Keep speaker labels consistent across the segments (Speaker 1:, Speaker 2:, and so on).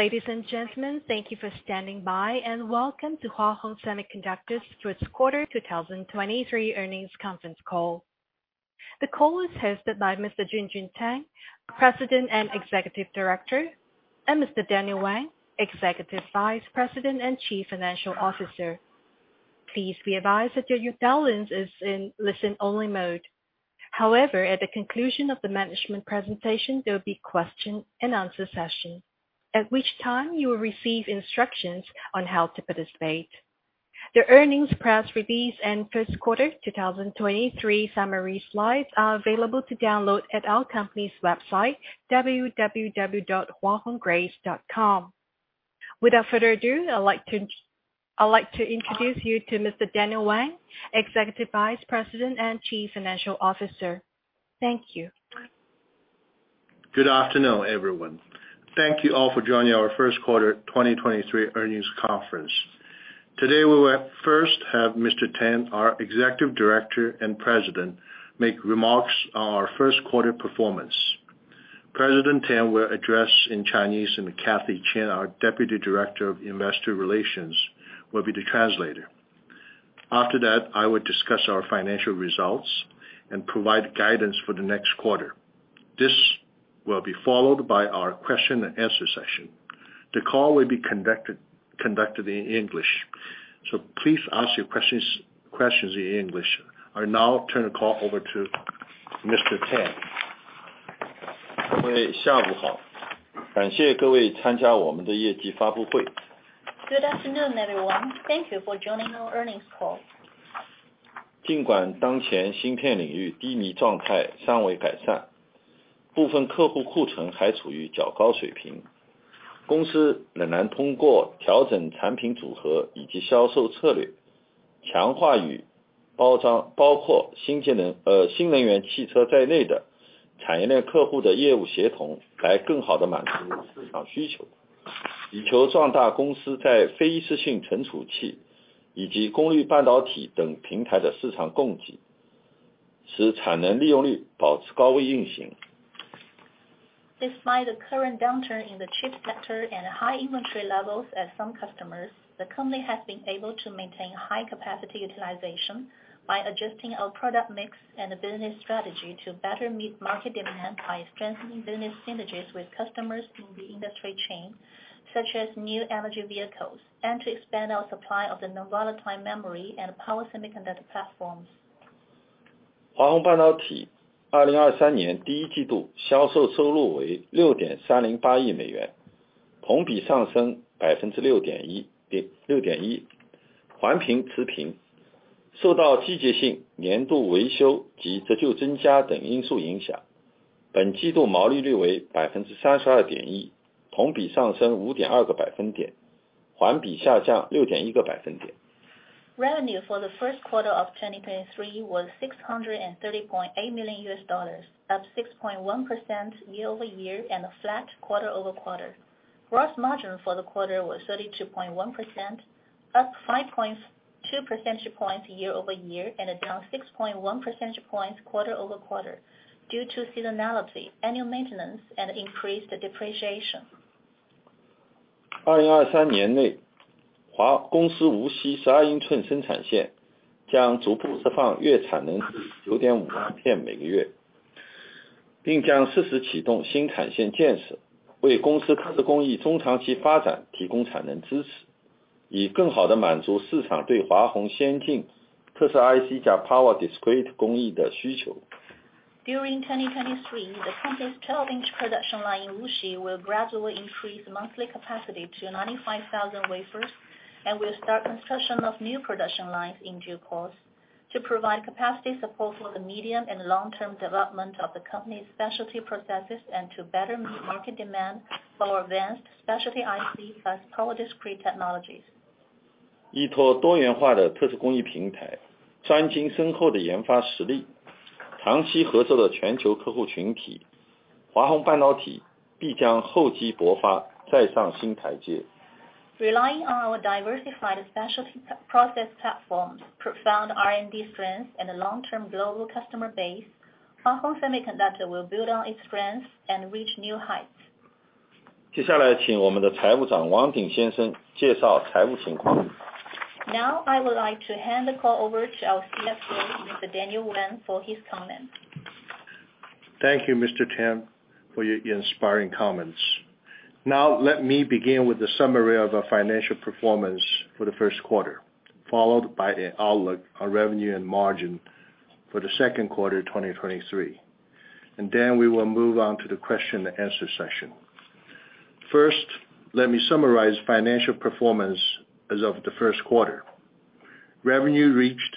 Speaker 1: Ladies and gentlemen, thank you for standing by, welcome to Hua Hong Semiconductor's First Quarter 2023 Earnings Conference Call. The call is hosted by Mr. Junjun Tang, President and Executive Director, and Mr. Daniel Wang, Executive Vice President and Chief Financial Officer. Please be advised that your balance is in listen-only mode. At the conclusion of the management presentation, there will be question and answer session. At which time, you will receive instructions on how to participate. The earnings press release and first quarter 2023 summary slides are available to download at our company's website, www.huahonggrace.com. Without further ado, I'd like to introduce you to Mr. Daniel Wang, Executive Vice President and Chief Financial Officer. Thank you.
Speaker 2: Good afternoon, everyone. Thank you all for joining our first quarter 2023 earnings conference. Today, we will first have Mr. Tang, our Executive Director and President, make remarks on our first quarter performance. President Tang will address in Chinese. Kathy Chien, our Deputy Director of Investor Relations, will be the translator. After that, I will discuss our financial results and provide guidance for the next quarter. This will be followed by our question and answer session. The call will be conducted in English. Please ask your questions in English. I now turn the call over to Mr. Tang.
Speaker 3: Good afternoon, everyone. Thank you for joining our earnings call. Despite the current downturn in the chip sector and high inventory levels at some customers, the company has been able to maintain high capacity utilization by adjusting our product mix and the business strategy to better meet market demand by strengthening business synergies with customers through the industry chain, such as new energy vehicles, and to expand our supply of the non-volatile memory and power semiconductor platforms. Revenue for the first quarter of 2023 was $630.8 million, up 6.1% year-over-year and a flat quarter-over-quarter. Gross margin for the quarter was 32.1%, up 5.2 percentage points year-over-year and down 6.1 percentage points quarter-over-quarter due to seasonality, annual maintenance, and increased depreciation. During 2023, the company's 12-inch production line in Wuxi will gradually increase monthly capacity to 95,000 wafers and will start construction of new production lines in due course to provide capacity support for the medium and long-term development of the company's specialty processes and to better meet market demand for advanced specialty ICs plus power discrete technologies. Relying on our diversified specialty process platforms, profound R&D strength, and a long-term global customer base, Hua Hong Semiconductor will build on its strengths and reach new heights. Now, I would like to hand the call over to our CFO, Mr. Daniel Wang, for his comments.
Speaker 2: Thank you, Mr. Tang, for your inspiring comments. Let me begin with the summary of our financial performance for the first quarter, followed by the outlook on revenue and margin for the second quarter 2023. We will move on to the question and answer session. First, let me summarize financial performance as of the first quarter. Revenue reached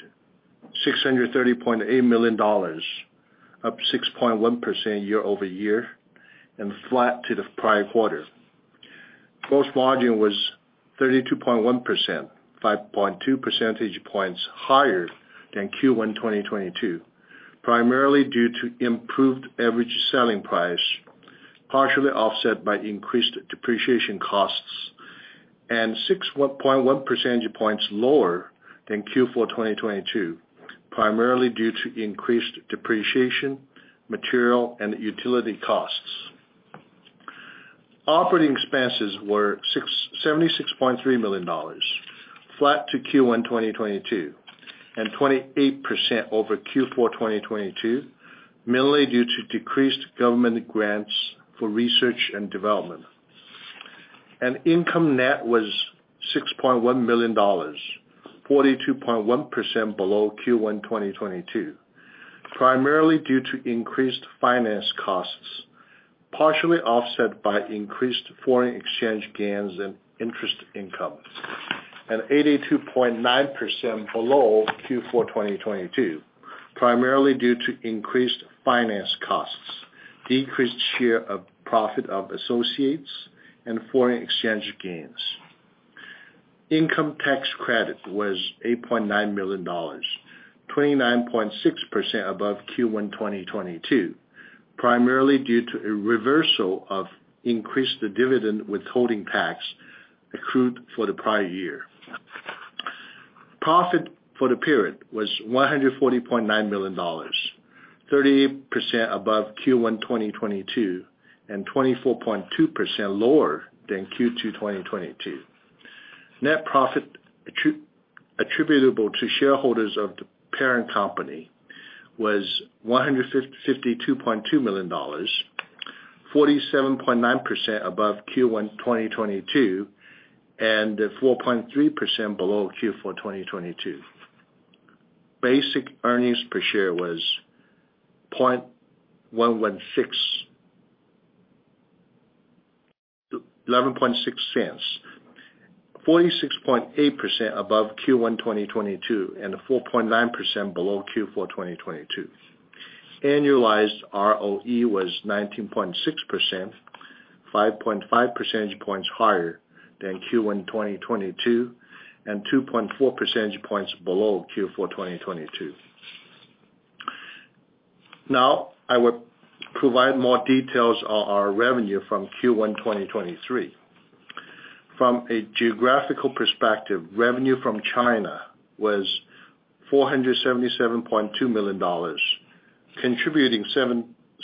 Speaker 2: $630.8 million, up 6.1% year-over-year and flat to the prior quarter. Gross margin was 32.1%, 5.2 percentage points higher than Q1 2022, primarily due to improved average selling price, partially offset by increased depreciation costs. 6.1 percentage points lower than Q4 2022, primarily due to increased depreciation, material and utility costs. Operating expenses were $76.3 million, flat to Q1 2022, and 28% over Q4 2022, mainly due to decreased government grants for research and development. Income net was $6.1 million, 42.1% below Q1 2022, primarily due to increased finance costs, partially offset by increased foreign exchange gains and interest income, and 82.9% below Q4 2022, primarily due to increased finance costs, decreased share of profit of associates and foreign exchange gains. Income tax credit was $8.9 million, 29.6% above Q1 2022, primarily due to a reversal of increased dividend withholding tax accrued for the prior year. Profit for the period was $140.9 million, 30% above Q1 2022, and 24.2% lower than Q2 2022. Net profit attributable to shareholders of the parent company was $152.2 million, 47.9% above Q1 2022, and 4.3% below Q4 2022. Basic earnings per share was $0.116, 46.8% above Q1 2022, and 4.9% below Q4 2022. Annualized ROE was 19.6%, 5.5 percentage points higher than Q1 2022, and 2.4 percentage points below Q4 2022. Now I will provide more details on our revenue from Q1 2023. From a geographical perspective, revenue from China was $477.2 million, contributing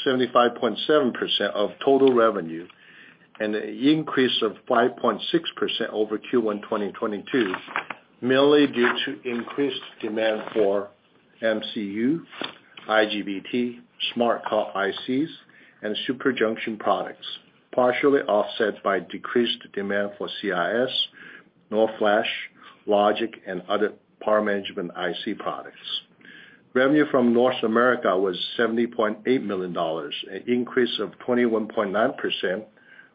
Speaker 2: 75.7% of total revenue and an increase of 5.6% over Q1 2022, mainly due to increased demand for MCU, IGBT, smart card ICs and super junction products, partially offset by decreased demand for CIS, NOR Flash, logic and other power management IC products. Revenue from North America was $70.8 million, an increase of 21.9%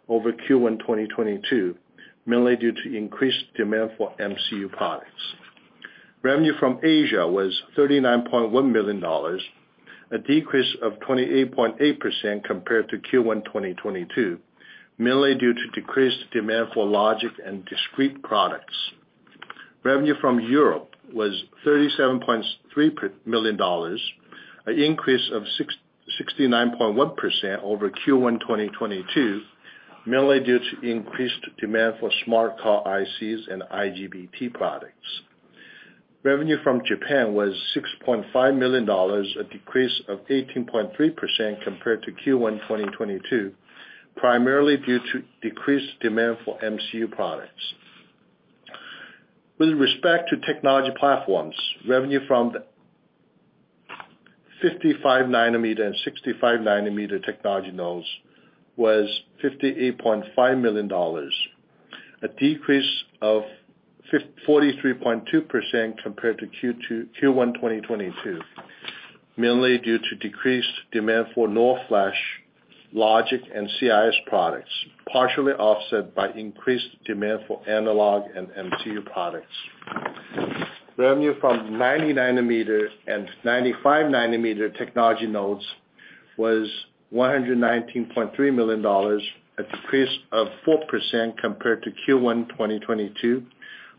Speaker 2: over Q1 2022, mainly due to increased demand for MCU products. Revenue from Asia was $39.1 million, a decrease of 28.8% compared to Q1 2022, mainly due to decreased demand for logic and discrete products. Revenue from Europe was $37.3 million, an increase of 69.1% over Q1 2022, mainly due to increased demand for smart card ICs and IGBT products. Revenue from Japan was $6.5 million, a decrease of 18.3% compared to Q1 2022, primarily due to decreased demand for MCU products. With respect to technology platforms, revenue from the 55 nanometer and 65 nanometer technology nodes was $58.5 million, a decrease of 43.2% compared to Q1 2022, mainly due to decreased demand for NOR Flash, logic and CIS products, partially offset by increased demand for analog and MCU products. Revenue from 90-nanometer and 95-nanometer technology nodes was $119.3 million, a decrease of 4% compared to Q1 2022,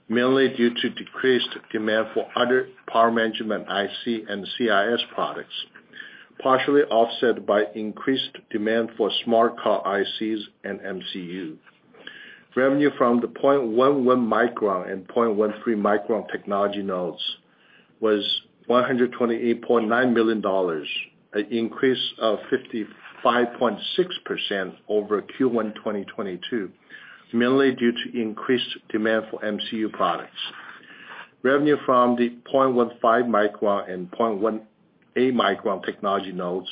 Speaker 2: mainly due to decreased demand for other power management IC and CIS products, partially offset by increased demand for smart card ICs and MCU. Revenue from the 0.11 micron and 0.13 micron technology nodes was $128.9 million, an increase of 55.6% over Q1 2022, mainly due to increased demand for MCU products. Revenue from the 0.15 micron and 0.18 micron technology nodes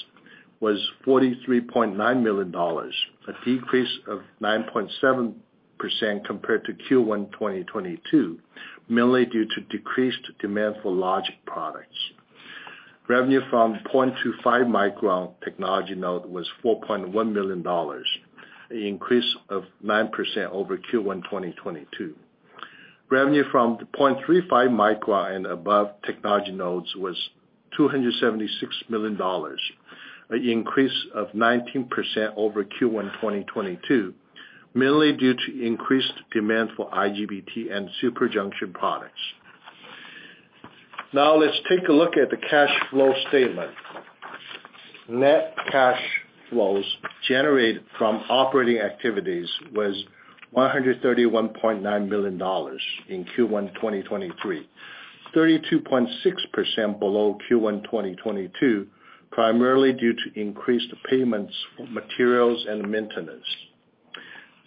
Speaker 2: was $43.9 million, a decrease of 9.7% compared to Q1 2022, mainly due to decreased demand for logic products. Revenue from 0.25 micron technology node was $4.1 million, an increase of 9% over Q1 2022. Revenue from the 0.35 micron and above technology nodes was $276 million, an increase of 19% over Q1 2022, mainly due to increased demand for IGBT and super junction products. Let's take a look at the cash flow statement. Net cash flows generated from operating activities was $131.9 million in Q1 2023. 32.6% below Q1 2022, primarily due to increased payments for materials and maintenance.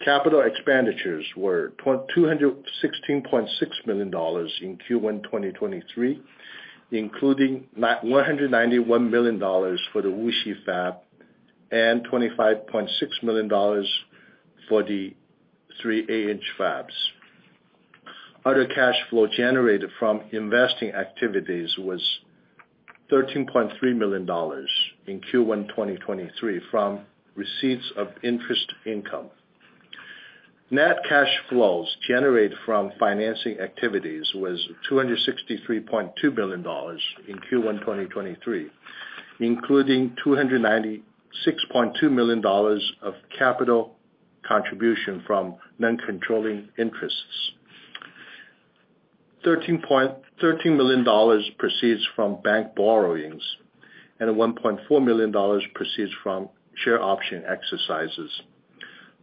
Speaker 2: CapEx were $216.6 million in Q1 2023, including $191 million for the Wuxi fab and $25.6 million for the three 8-inch fabs. Other cash flow generated from investing activities was $13.3 million in Q1 2023 from receipts of interest income. Net cash flows generated from financing activities was $263.2 million in Q1 2023, including $296.2 million of capital contribution from non-controlling interests. $13 million proceeds from bank borrowings and $1.4 million proceeds from share option exercises,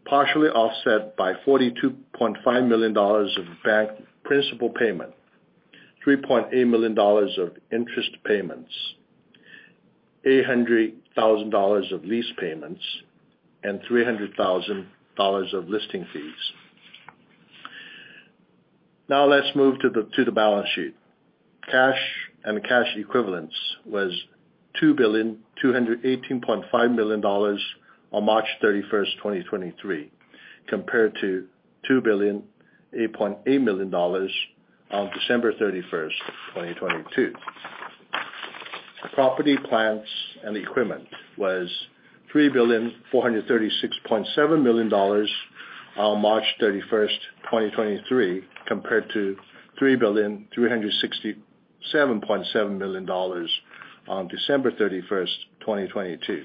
Speaker 2: partially offset by $42.5 million of bank principal payment, $3.8 million of interest payments, $800,000 of lease payments and $300,000 of listing fees. Now let's move to the balance sheet. Cash and cash equivalents was $2,218.5 million on March 31, 2023, compared to $2,008.8 million on December 31, 2022. Property, plant and equipment was $3,436.7 million on March 31, 2023, compared to $3,367.7 million on December 31, 2022.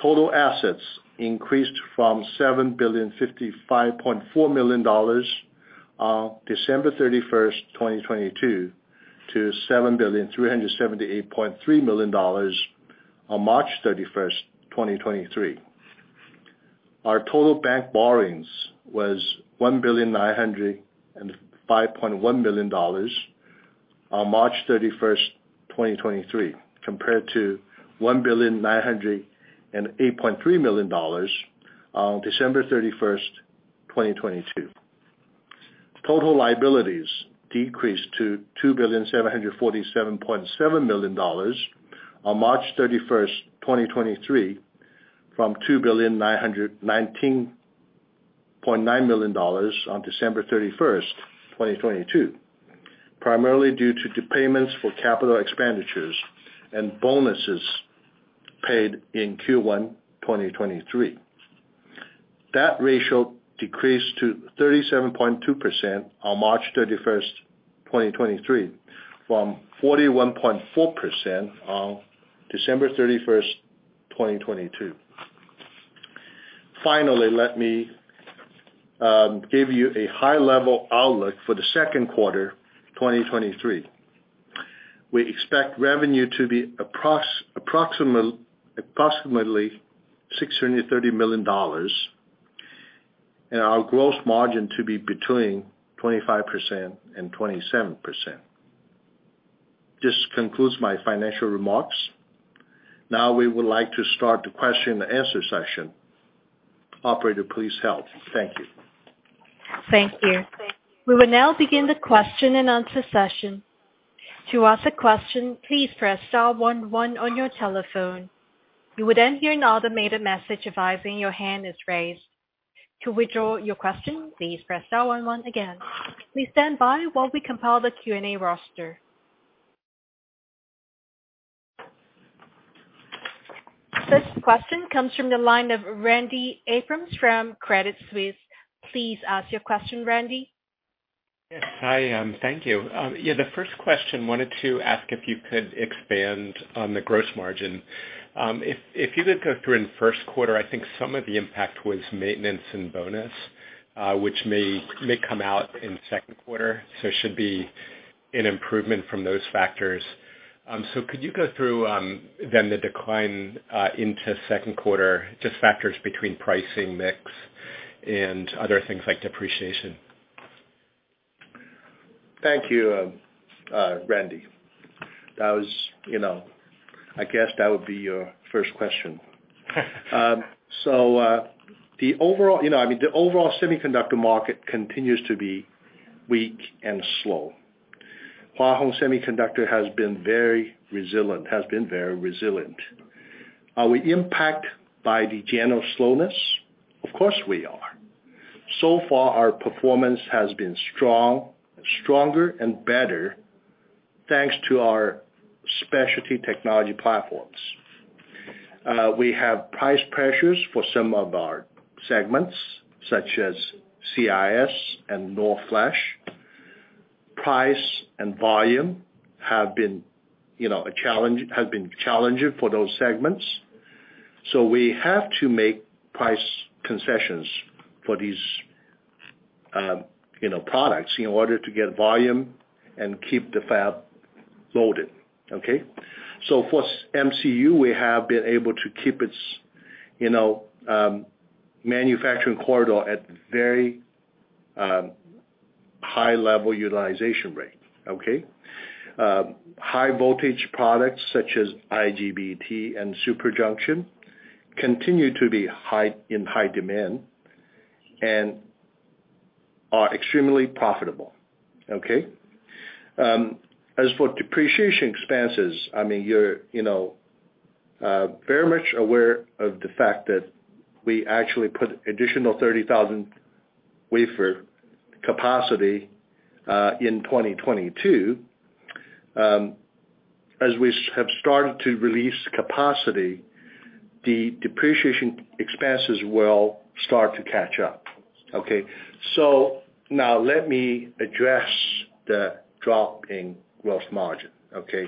Speaker 2: Total assets increased from $7,055.4 million on December 31, 2022 to $7,378.3 million on March 31, 2023. Our total bank borrowings was $1,905.1 million on March 31, 2023, compared to $1,908.3 million on December 31, 2022. Total liabilities decreased to $2,747.7 million on March 31, 2023 from $2,919.9 million on December 31, 2022. Primarily due to the payments for capital expenditures and bonuses paid in Q1 2023. That ratio decreased to 37.2% on March 31, 2023 from 41.4% on December 31, 2022. Let me give you a high level outlook for the second quarter 2023. We expect revenue to be approximately $630 million and our gross margin to be between 25% and 27%. This concludes my financial remarks. We would like to start the question and answer session. Operator, please help. Thank you.
Speaker 1: Thank you. We will now begin the question and answer session. To ask a question, please press star one one on your telephone. You would hear an automated message advising your hand is raised. To withdraw your question, please press star one one again. Please stand by while we compile the Q&A roster. First question comes from the line of Randy Abrams from Credit Suisse. Please ask your question, Randy.
Speaker 4: Yes. Hi, thank you. The first question, wanted to ask if you could expand on the gross margin. If you could go through in the first quarter, I think some of the impact was maintenance and bonus, which may come out in the second quarter, it should be an improvement from those factors. Could you go through the decline into second quarter, just factors between pricing mix and other things like depreciation?
Speaker 2: Thank you, Randy. That was, you know, I guess that would be your first question. The overall, you know, I mean, the overall semiconductor market continues to be weak and slow. Hua Hong Semiconductor has been very resilient. Are we impact by the general slowness? Of course we are. Far our performance has been strong, stronger and better, thanks to our specialty technology platforms. We have price pressures for some of our segments, such as CIS and NOR Flash. Price and volume have been, you know, challenging for those segments. We have to make price concessions for these, you know, products in order to get volume and keep the fab loaded. Okay? For MCU, we have been able to keep its, you know, manufacturing corridor at very high level utilization rate. Okay? High voltage products such as IGBT and super junction continue to be in high demand and are extremely profitable. Okay? As for depreciation expenses, I mean, you're, you know, very much aware of the fact that we actually put additional 30,000 wafer capacity in 2022. As we have started to release capacity, the depreciation expenses will start to catch up. Okay? Now let me address the drop in gross margin. Okay?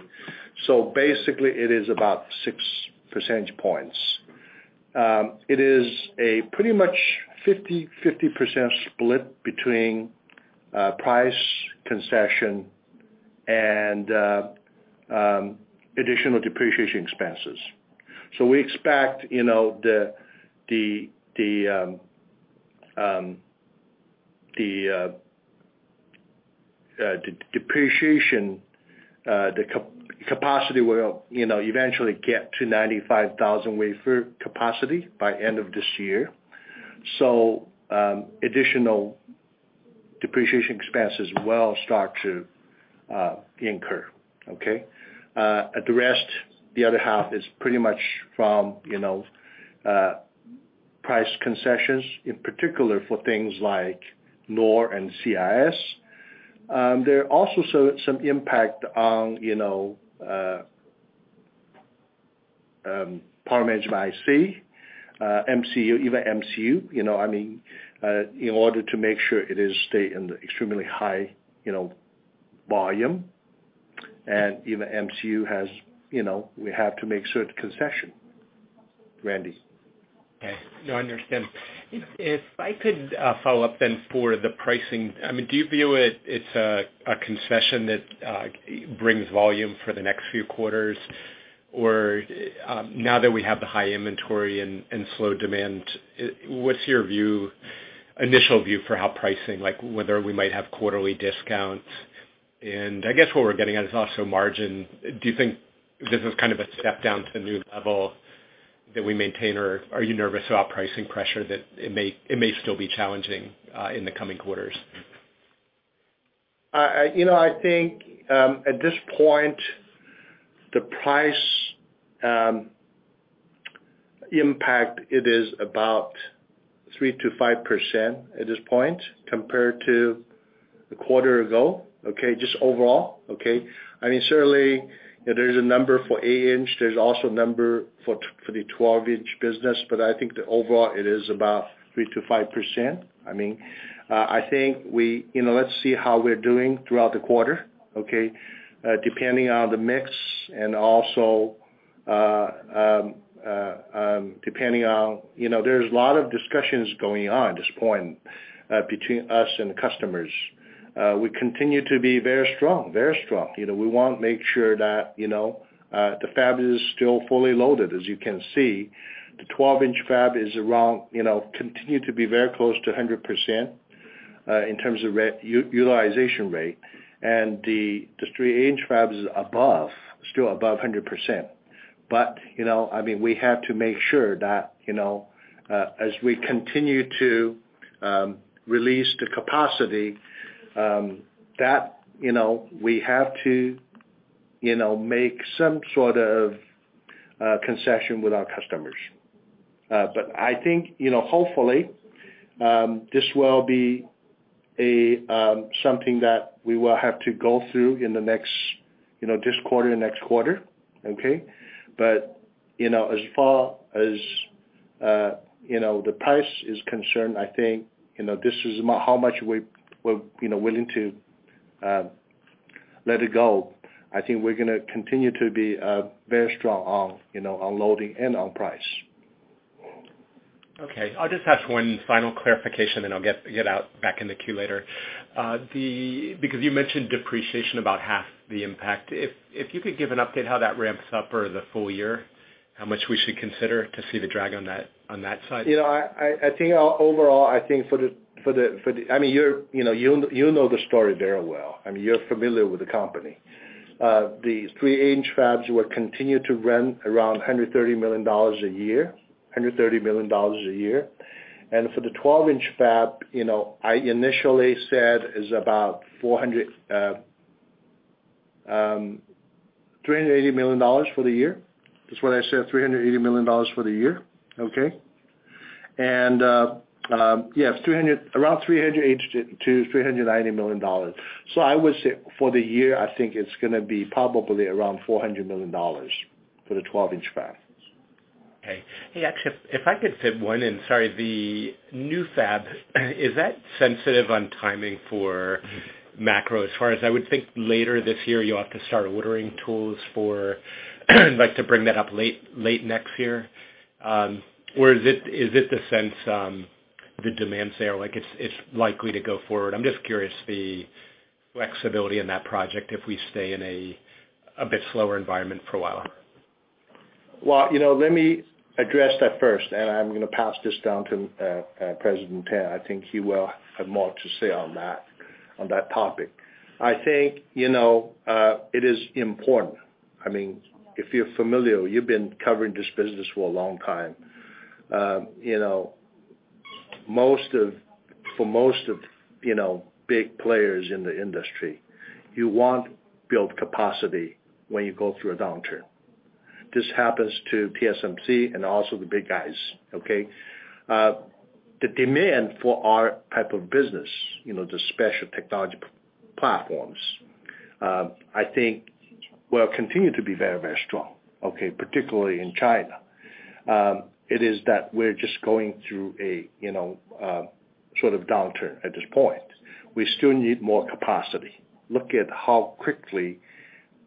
Speaker 2: Basically, it is about 6 percentage points. It is a pretty much 50/50% split between price concession and additional depreciation expenses. We expect, you know, the depreciation, the capacity will, you know, eventually get to 95,000 wafer capacity by end of this year. Additional depreciation expenses will start to incur. Okay? The rest, the other half is pretty much from, you know, price concessions, in particular for things like NOR and CIS. There are also some impact on, you know, power management IC, MCU, even MCU. You know, I mean, in order to make sure it is stay in the extremely high, you know, volume, and even MCU has, you know, we have to make certain concession. Randy.
Speaker 4: Okay. No, I understand. If I could follow up then for the pricing. I mean, do you view it's a concession that brings volume for the next few quarters? Or, now that we have the high inventory and slow demand, what's your view, initial view for how pricing, like whether we might have quarterly discounts? I guess what we're getting at is also margin. Do you think this is kind of a step down to the new level that we maintain, or are you nervous about pricing pressure that it may still be challenging in the coming quarters?
Speaker 2: I, you know, I think, at this point, the price impact, it is about 3%-5% at this point compared to a quarter ago, okay, just overall. Okay? I mean, certainly there is a number for 8-inch, there's also a number for the 12-inch business, but I think that overall it is about 3%-5%. I mean, I think, you know, let's see how we're doing throughout the quarter, okay? Depending on the mix and also, depending on, you know, there's a lot of discussions going on at this point, between us and the customers. We continue to be very strong. You know, we want to make sure that, you know, the fab is still fully loaded. As you can see, the 12-inch fab is around, you know, continue to be very close to 100% in terms of utilization rate. The 3-inch fab is above, still above 100%. You know, I mean, we have to make sure that, you know, as we continue to release the capacity, that, you know, we have to, you know, make some sort of concession with our customers. I think, you know, hopefully, this will be a something that we will have to go through in the next, you know, this quarter, next quarter. Okay? You know, as far as, you know, the price is concerned, I think, you know, this is how much we're, you know, willing to let it go. I think we're gonna continue to be very strong on, you know, on loading and on price.
Speaker 4: Okay. I'll just ask one final clarification, and I'll get out back in the queue later. Because you mentioned depreciation about half the impact. If you could give an update how that ramps up for the full year, how much we should consider to see the drag on that side?
Speaker 2: You know, I think overall, I think. I mean, you're, you know, you'll know the story very well. I mean, you're familiar with the company. The three-inch fabs will continue to run around $130 million a year. For the 12-inch fab, you know, I initially said is about $380 million for the year. That's what I said, $380 million for the year. Okay? Yes, around $380 million-$390 million. I would say for the year, I think it's gonna be probably around $400 million for the 12-inch fabs.
Speaker 4: Okay. Hey, Akshat, if I could fit one in. Sorry. The new fab, is that sensitive on timing for macro? As far as I would think later this year, you'll have to start ordering tools for like to bring that up late next year. Is it the sense, the demand's there, like it's likely to go forward? I'm just curious the flexibility in that project if we stay in a bit slower environment for a while.
Speaker 2: Well, you know, let me address that first, and I'm gonna pass this down to President Tang. I think he will have more to say on that, on that topic. I think, you know, it is important. I mean, if you're familiar, you've been covering this business for a long time. You know, for most of, you know, big players in the industry, you want build capacity when you go through a downturn. This happens to TSMC and also the big guys, okay? The demand for our type of business, you know, the special technology platforms, I think will continue to be very, very strong, okay? Particularly in China. It is that we're just going through a, you know, sort of downturn at this point. We still need more capacity. Look at how quickly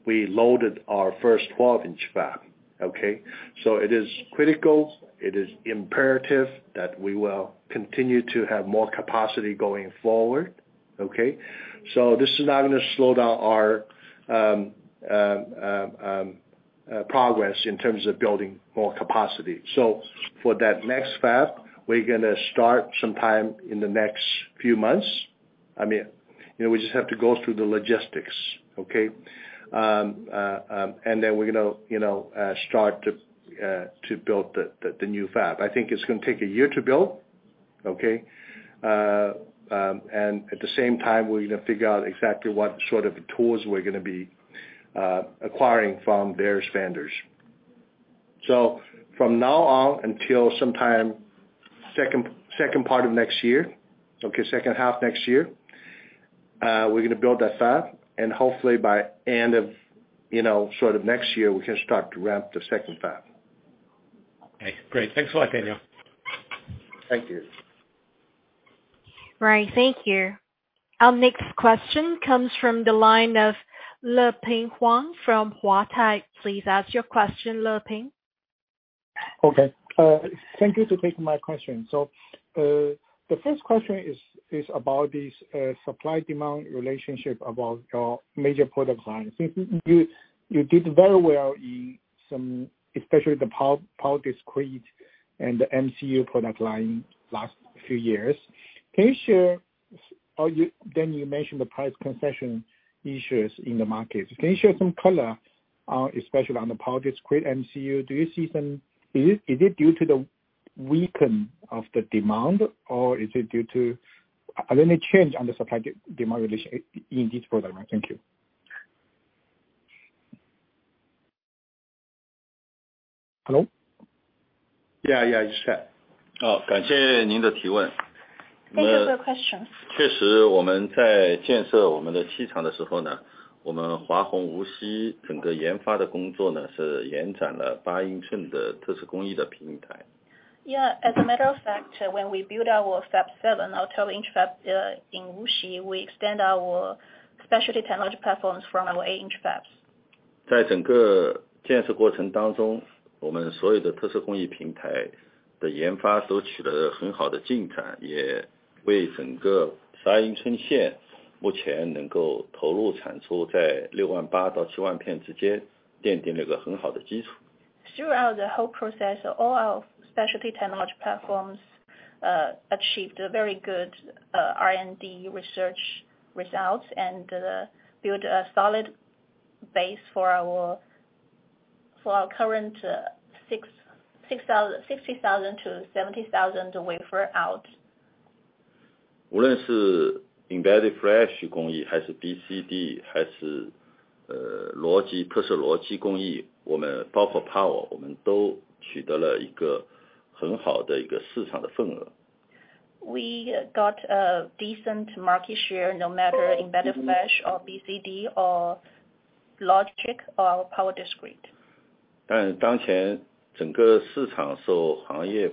Speaker 2: we loaded our first 12-inch fab, okay? It is critical, it is imperative that we will continue to have more capacity going forward, okay? This is not gonna slow down our progress in terms of building more capacity. For that next fab, we're gonna start sometime in the next few months. I mean, you know, we just have to go through the logistics, okay? And then we're gonna, you know, start to build the new fab. I think it's gonna take a year to build, okay? And at the same time we're gonna figure out exactly what sort of tools we're gonna be acquiring from various vendors. From now on, until sometime second part of next year, okay, second half next year, we're gonna build that fab. Hopefully by end of, you know, sort of next year, we can start to ramp the second fab.
Speaker 4: Okay. Great. Thanks a lot, Daniel.
Speaker 2: Thank you.
Speaker 1: Right. Thank you. Our next question comes from the line of Leping Huang from Huatai. Please ask your question, Leping.
Speaker 5: Okay. Thank you to take my question. The first question is about this supply-demand relationship about your major product lines. You did very well in some, especially the power discrete and the MCU product line last few years. Can you share, or you mentioned the price concession issues in the market. Can you share some color, especially on the power discrete MCU? Is it due to the weaken of the demand or is it due to any change on the supply-demand relation in this product line? Thank you. Hello?
Speaker 2: Yeah, yeah. Just a sec.
Speaker 3: Thank you for your question. Yeah. As a matter of fact, when we build our Fab7, our 12-inch fab in Wuxi, we extend our specialty technology platforms from our 8-inch fabs. Throughout the whole process, all our specialty technology platforms achieved very good R&D research results and build a solid base for our current 60,000-70,000 wafer out. We got a decent market share no matter embedded Flash or BCD or logic or power discrete. Though the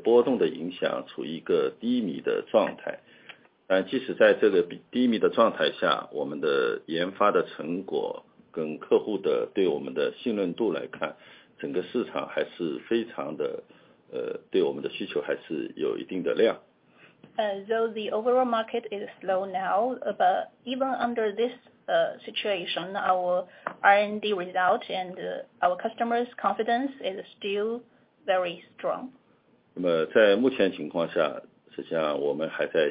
Speaker 3: overall market is slow now, but even under this situation, our R&D result and our customers' confidence is still very strong. Actually, we are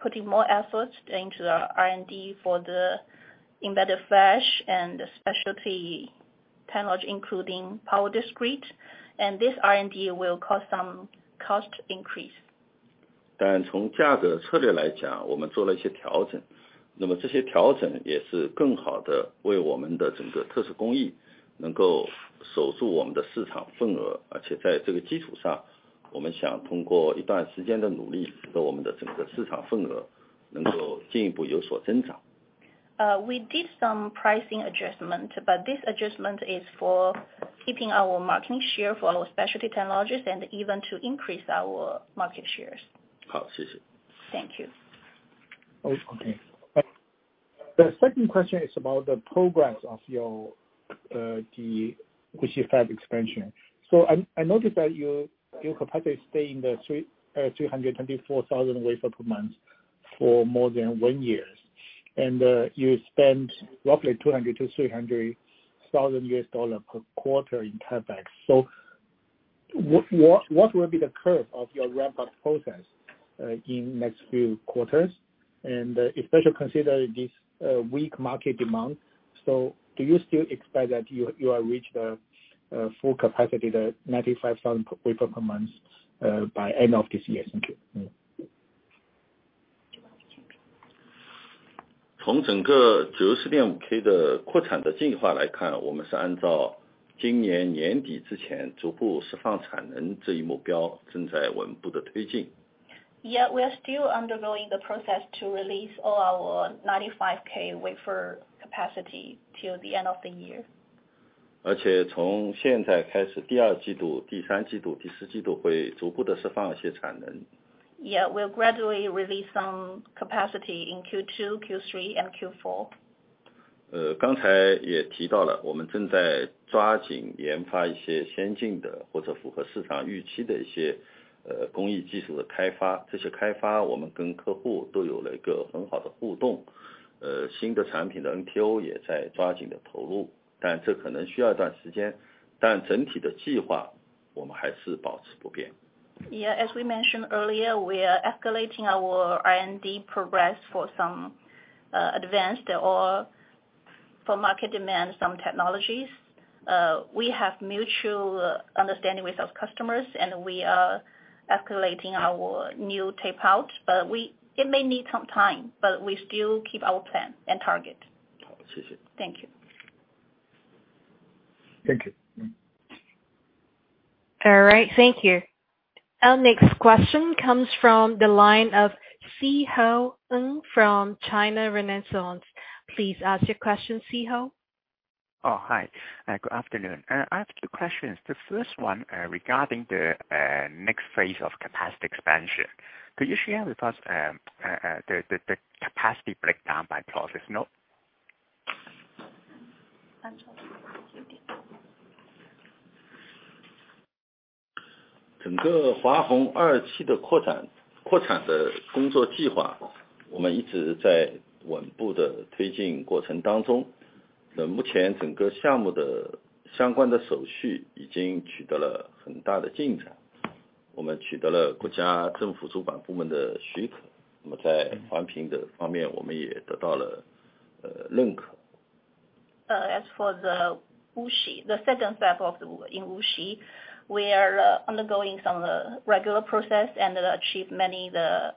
Speaker 3: putting more efforts into the R&D for the embedded Flash and the specialty technology, including power discrete, and this R&D will cause some cost increase. We did some pricing adjustment, but this adjustment is for keeping our marketing share for our specialty technologies and even to increase our market shares. Thank you.
Speaker 5: Okay. The second question is about the progress of your the Wuxi fab expansion. I noticed that your capacity stay in the 324,000 wafer per month for more than one years. You spent roughly $200,000-$300,000 per quarter in CapEx. What will be the curve of your ramp-up process in next few quarters? Especially considering this weak market demand, do you still expect that you will reach the full capacity, the 95,000 per wafer per month by end of this year? Thank you.
Speaker 3: We are still undergoing the process to release all our 95K wafer capacity till the end of the year. We'll gradually release some capacity in Q2, Q3, and Q4. As we mentioned earlier, we are escalating our R&D progress for some advanced or for market demand some technologies. We have mutual understanding with those customers. We are escalating our new tape out. It may need some time, but we still keep our plan and target. Thank you.
Speaker 5: Thank you.
Speaker 1: All right. Thank you. Our next question comes from the line of Sze Ho Ng from China Renaissance. Please ask your question, Sze Ho.
Speaker 6: Hi. Good afternoon. I have two questions. The first one, regarding the next phase of capacity expansion. Could you share with us the capacity breakdown by process node?
Speaker 7: As for the Wuxi, the second step in Wuxi, we are undergoing some of the regular process and achieve many the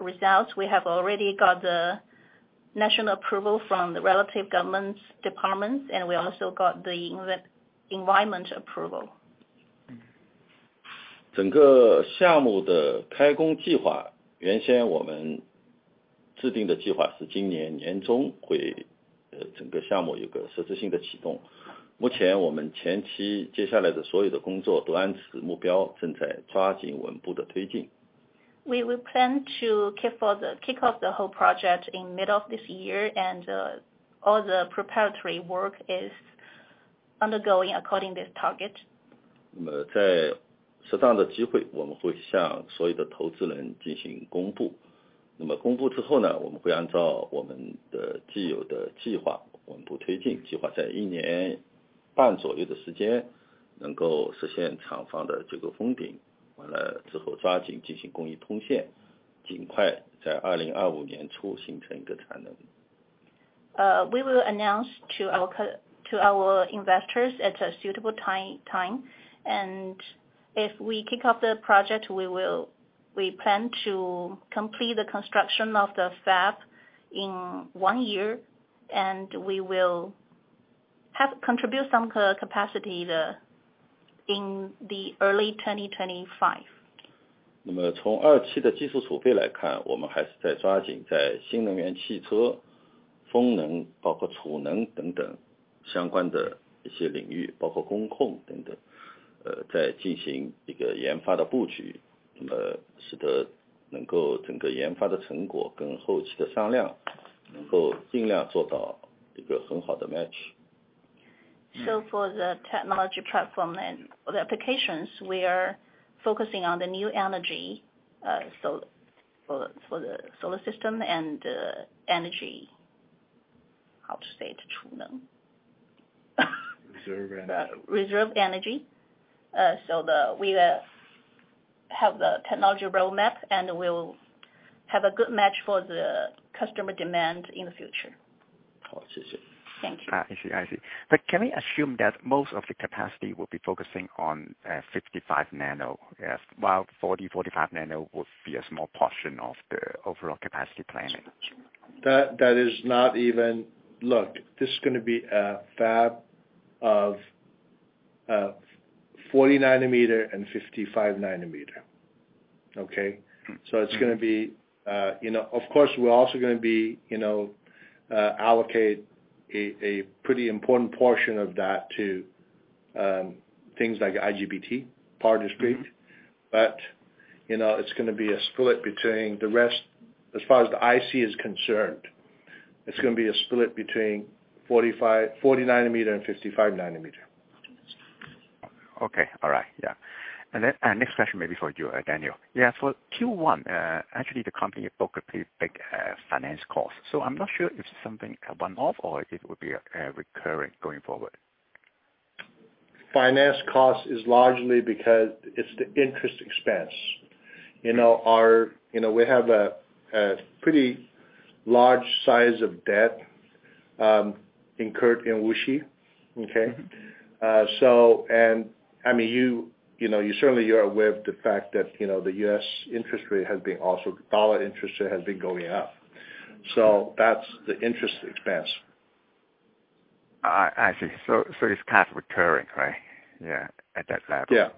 Speaker 7: results. We have already got the national approval from the relative governments departments, and we also got the environment approval. We will plan to kick off the whole project in middle of this year, and all the preparatory work is undergoing according this target. We will announce to our investors at a suitable time. If we kick off the project, we plan to complete the construction of the fab in one year, and we will have contribute some capacity the, in the early 2025. For the technology platform and the applications, we are focusing on the new energy, for the solar system and energy. How to say the?
Speaker 5: Reserve energy.
Speaker 7: The reserve energy. We have the technology roadmap, and we will have a good match for the customer demand in the future. Thank you.
Speaker 6: I see, I see. Can we assume that most of the capacity will be focusing on 55 nano, while 40, 45 nano will be a small portion of the overall capacity planning?
Speaker 5: That is not even... Look, this is gonna be a fab of
Speaker 2: 40 nanometer and 55 nanometer. Okay? It's gonna be, you know. Of course, we're also gonna be, you know, allocate a pretty important portion of that to things like IGBT power discrete. You know, it's gonna be a split between the rest. As far as the IC is concerned, it's gonna be a split between 40 nanometer and 55 nanometer.
Speaker 6: Okay. All right. Yeah. Next question may be for you, Daniel. Yeah, for Q1, actually the company booked a pretty big finance cost. I'm not sure if it's something one-off or if it would be recurring going forward.
Speaker 2: Finance cost is largely because it's the interest expense. You know, our, you know, we have a pretty large size of debt incurred in Wuxi. Okay? I mean, you know, you certainly you're aware of the fact that, you know, the U.S. interest rate has been also, dollar interest rate has been going up. That's the interest expense.
Speaker 6: I see. It's kind of recurring, right? Yeah, at that level.
Speaker 2: Yeah.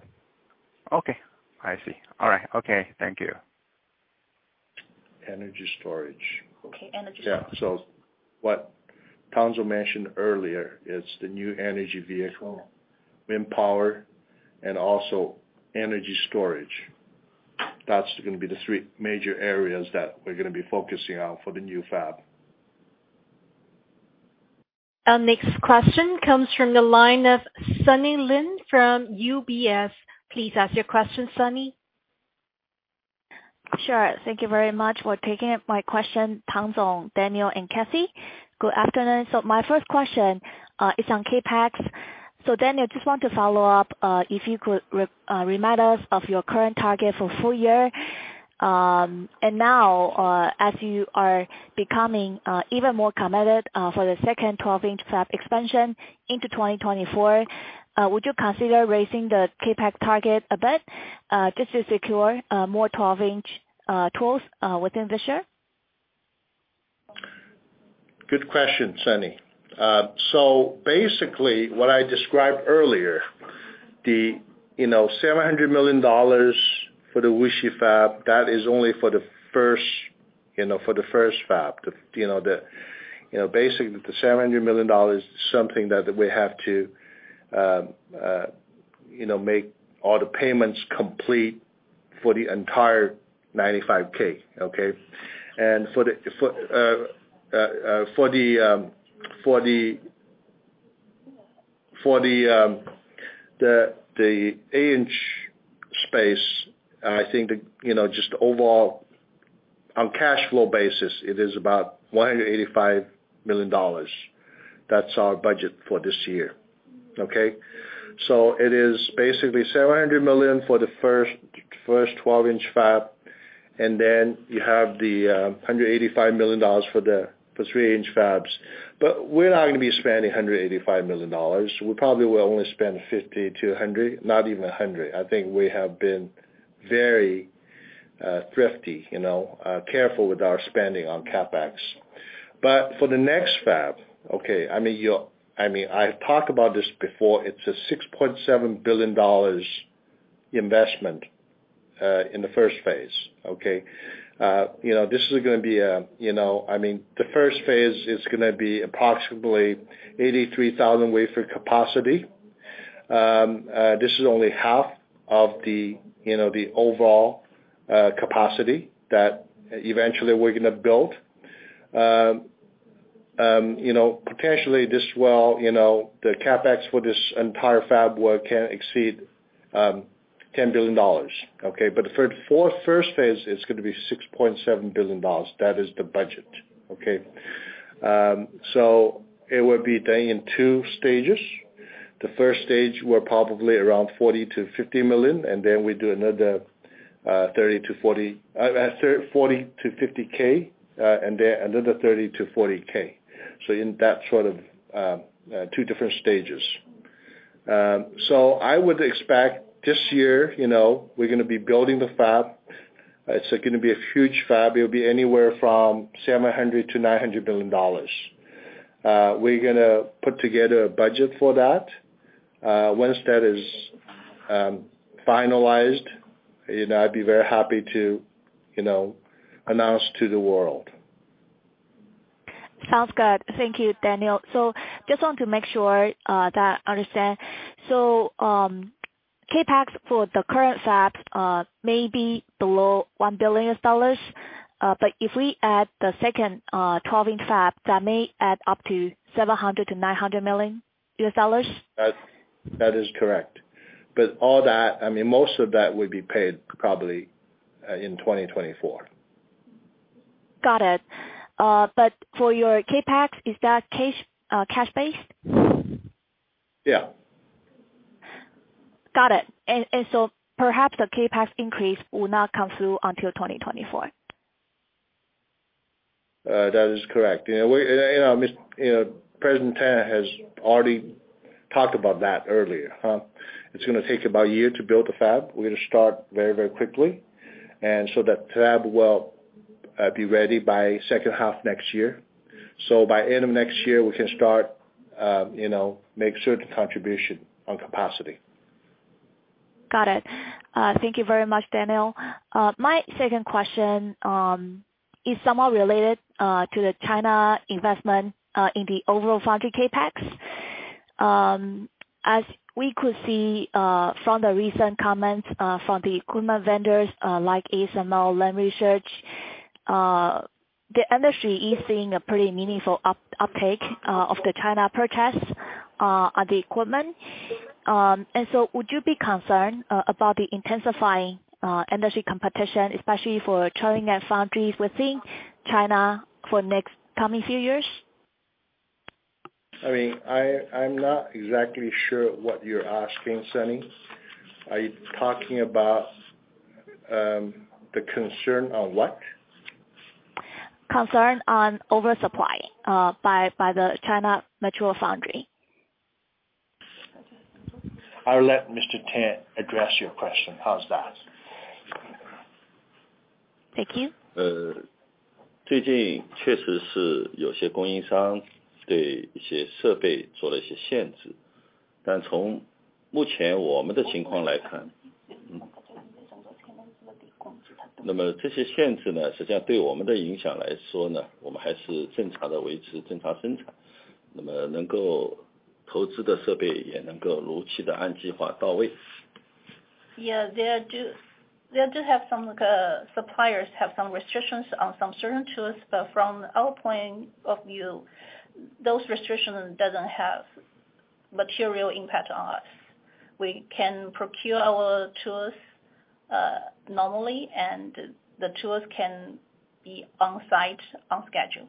Speaker 6: Okay, I see. All right. Okay. Thank you.
Speaker 2: Energy storage.
Speaker 7: Okay, energy storage.
Speaker 2: What Tangzong mentioned earlier is the new energy vehicle, wind power, and also energy storage. That's gonna be the three major areas that we're gonna be focusing on for the new fab.
Speaker 1: Our next question comes from the line of Sunny Lee from UBS. Please ask your question, Sunny.
Speaker 8: Sure. Thank you very much for taking my question, Tangzong, Daniel, and Kathy. Good afternoon. My first question is on CapEx. Daniel, I just want to follow up, if you could remind us of your current target for full year. Now, as you are becoming even more committed for the second 12-inch fab expansion into 2024, would you consider raising the CapEx target a bit, just to secure more 12-inch tools within this year?
Speaker 2: Good question, Sunny. Basically what I described earlier, the $700 million for the Wuxi fab, that is only for the first fab. Basically the $700 million is something that we have to make all the payments complete for the entire 95K, okay? For the 8-inch space, I think just overall on cash flow basis, it is about $185 million. That's our budget for this year, okay? It is basically $700 million for the first 12-inch fab, and then you have the $185 million for the 3-inch fabs. We're not gonna be spending $185 million. We probably will only spend $50-$100, not even $100. I think we have been very thrifty, you know, careful with our spending on CapEx. For the next fab, okay, I mean, you're, I've talked about this before, it's a $6.7 billion investment in the first phase, okay? You know, this is gonna be, you know, I mean, the first phase is gonna be approximately 83,000 wafer capacity. This is only half of the, you know, the overall capacity that eventually we're gonna build. You know, potentially this will, you know, the CapEx for this entire fab work can exceed $10 billion, okay? The first phase is gonna be $6.7 billion. That is the budget, okay. It would be done in two stages. The first stage, we're probably around $40 million-$50 million, and then we do another $30,000-$40,000, $40,000-$50,000, and then another $30,000-$40,000. In that sort of, two different stages. I would expect this year, you know, we're gonna be building the fab. It's gonna be a huge fab. It'll be anywhere from $700 billion-$900 billion. We're gonna put together a budget for that. Once that is finalized, you know, I'd be very happy to, you know, announce to the world.
Speaker 8: Sounds good. Thank you, Daniel. Just want to make sure, that I understand. CapEx for the current fab, may be below $1 billion. If we add the second, 12-inch fab, that may add up to $700 million-$900 million?
Speaker 2: That is correct. All that, I mean, most of that will be paid probably in 2024.
Speaker 8: Got it. For your CapEx, is that cash cash based?
Speaker 2: Yeah.
Speaker 8: Got it. Perhaps the CapEx increase will not come through until 2024.
Speaker 2: That is correct. You know, we, and, you know, Miss, you know, President Tan has already talked about that earlier, huh. It's gonna take about a year to build the fab. We're gonna start very, very quickly. That fab will be ready by second half next year. By end of next year, we can start, you know, make certain contribution on capacity.
Speaker 8: Got it. Thank you very much, Daniel. My second question is somehow related to the China investment in the overall foundry CapEx. As we could see from the recent comments from the equipment vendors, like ASML, Lam Research, the industry is seeing a pretty meaningful uptake of the China projects on the equipment. Would you be concerned about the intensifying industry competition, especially for trailing at foundries within China for next coming few years?
Speaker 2: I mean, I'm not exactly sure what you're asking, Sunny. Are you talking about the concern on what?
Speaker 8: Concern on oversupply, by the China mature foundry.
Speaker 2: I'll let Mr. Tang address your question. How's that?
Speaker 8: Thank you.
Speaker 3: Uh,
Speaker 7: There do have some, like, suppliers have some restrictions on some certain tools, but from our point of view, those restrictions doesn't have material impact on us. We can procure our tools normally, and the tools can be on site on schedule.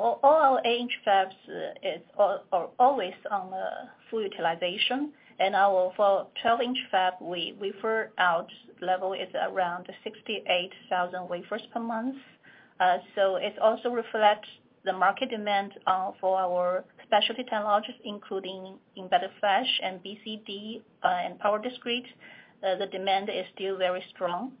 Speaker 7: All our eight-inch fabs are always on the full utilization, and our 12-inch fab, we refer out level is around 68,000 wafers per month. It also reflects the market demand for our specialty technologies, including embedded Flash and BCD, and power discrete. The demand is still very strong.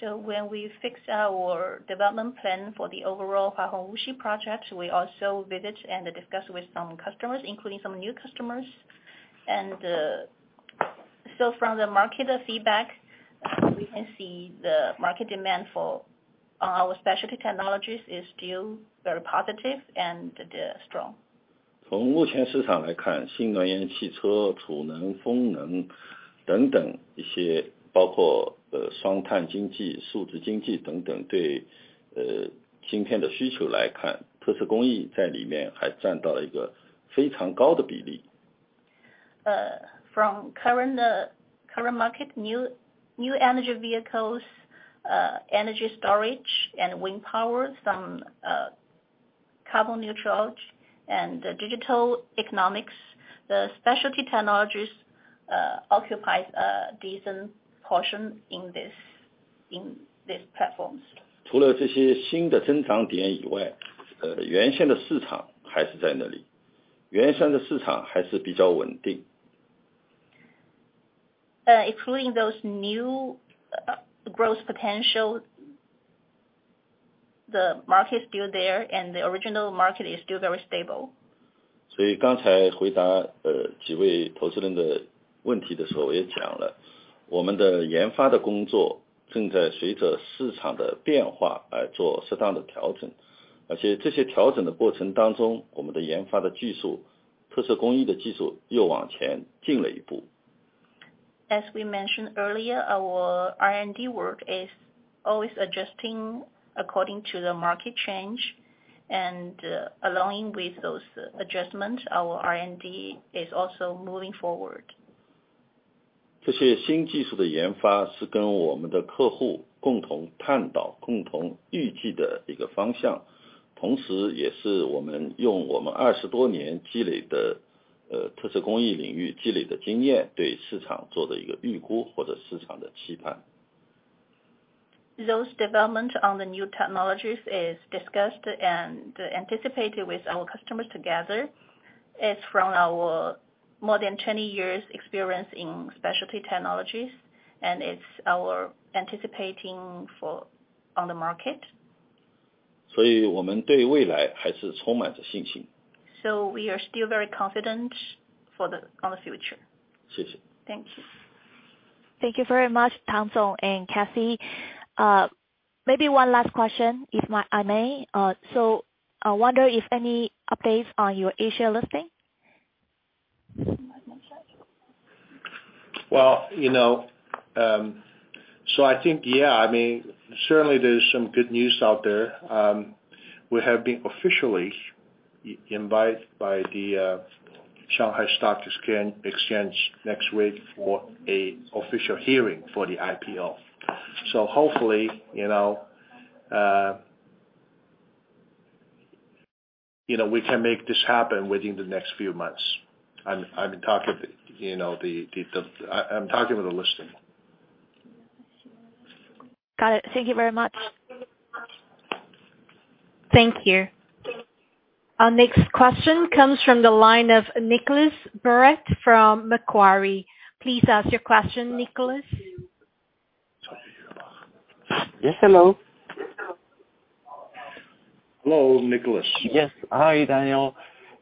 Speaker 7: When we fix our development plan for the overall Hua Hong Wuxi project, we also visit and discuss with some customers, including some new customers. From the market feedback, we can see the market demand for our specialty technologies is still very positive and strong. From current market, new energy vehicles, energy storage and wind power, some carbon neutral and digital economy, the specialty technologies occupies a decent portion in these platforms. Including those new growth potential, the market is still there, and the original market is still very stable. As we mentioned earlier, our R&D work is always adjusting according to the market change. Along with those adjustments, our R&D is also moving forward. Those development on the new technologies is discussed and anticipated with our customers together. It's from our more than 20 years experience in specialty technologies, and it's our anticipating for... On the market.
Speaker 3: 我们对未来还是充满着信心。
Speaker 7: We are still very confident on the future.
Speaker 3: 谢 谢.
Speaker 7: Thank you.
Speaker 8: Thank you very much, Tang Song and Kathy. Maybe one last question, if I may. I wonder if any updates on your Asia listing?
Speaker 2: Well, you know, I think, yeah, I mean, certainly there's some good news out there. We have been officially invited by the Shanghai Stock Exchange next week for a official hearing for the IPO. Hopefully, you know, we can make this happen within the next few months. I'm talking with, you know, the listing.
Speaker 8: Got it. Thank you very much.
Speaker 1: Thank you. Our next question comes from the line of Nicolas Baratte from Macquarie. Please ask your question, Nicolas.
Speaker 9: Yes, hello.
Speaker 2: Hello, Nicolas.
Speaker 9: Yes. Hi, Daniel.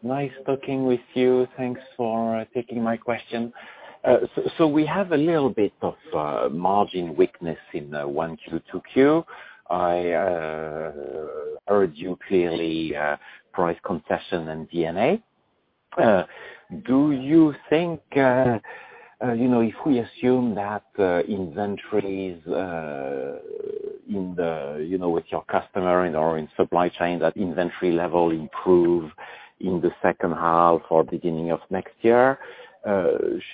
Speaker 9: Nice talking with you. Thanks for taking my question. We have a little bit of margin weakness in 1Q, 2Q. I heard you clearly, price concession and D&A. Do you think, you know, if we assume that inventories in the, you know, with your customer and/or in supply chain, that inventory level improve in the second half or beginning of next year,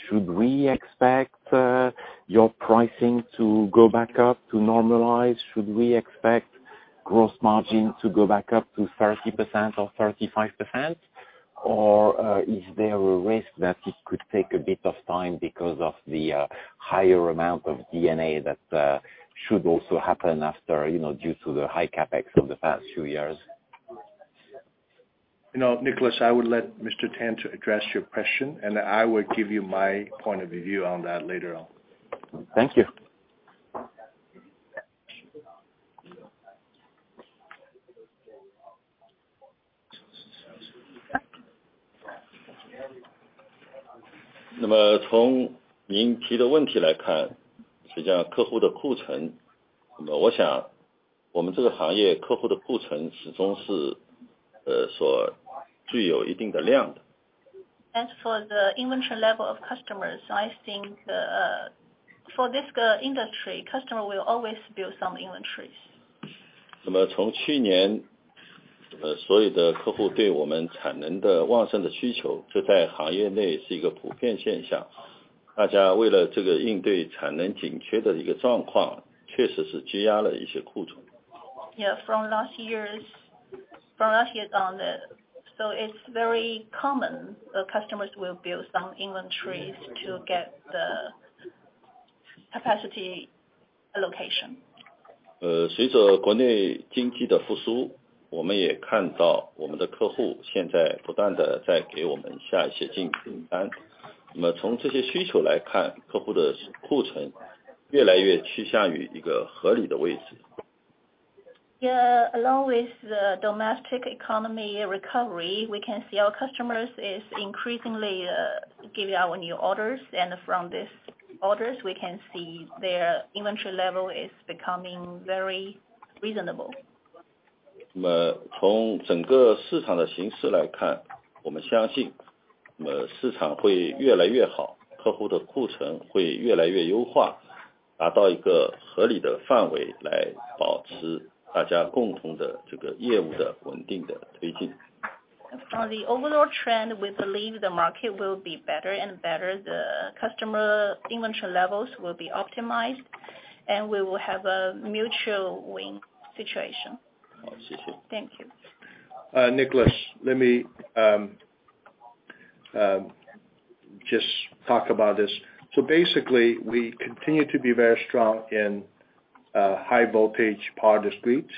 Speaker 9: should we expect your pricing to go back up to normalize? Should we expect gross margin to go back up to 30% or 35%, or is there a risk that it could take a bit of time because of the higher amount of D&A that should also happen after, you know, due to the high CapEx of the past few years?
Speaker 2: You know, Nicolas, I would let Mr. Tang to address your question, and I would give you my point of view on that later on.
Speaker 9: Thank you.
Speaker 3: 从您提的问题来 看, 实际上客户的库 存, 那么我想我们这个行业客户的库存始终 是, 所具有一定的量 的.
Speaker 7: As for the inventory level of customers, I think, for this industry, customer will always build some inventories.
Speaker 3: 那么从去 年， 呃， 所有的客户对我们产能的旺盛的需 求， 这在行业内是一个普遍现象。大家为了这个应对产能紧缺的一个状 况， 确实是积压了一些库存。
Speaker 7: Yeah. From last year on, it is very common. The customers will build some inventories to get the capacity allocation.
Speaker 3: 随着国内经济的 复苏, 我们也看到我们的客户现在不断地在给我们下一些 订单. 从这些需求 来看, 客户的库存越来越趋向于一个合理的 位置.
Speaker 7: Yeah. Along with the domestic economy recovery, we can see our customers is increasingly giving out new orders. From these orders, we can see their inventory level is becoming very reasonable.
Speaker 3: 从整个市场的形势来 看， 我们相 信， 市场会越来越 好， 客户的库存会越来越优 化， 达到一个合理的范围来保持大家共同的这个业务的稳定的推进。
Speaker 7: From the overall trend, we believe the market will be better and better. The customer inventory levels will be optimized, and we will have a mutual win situation.
Speaker 3: 哦, 谢谢。
Speaker 7: Thank you.
Speaker 2: Nicolas, let me just talk about this. Basically, we continue to be very strong in high voltage power discrete,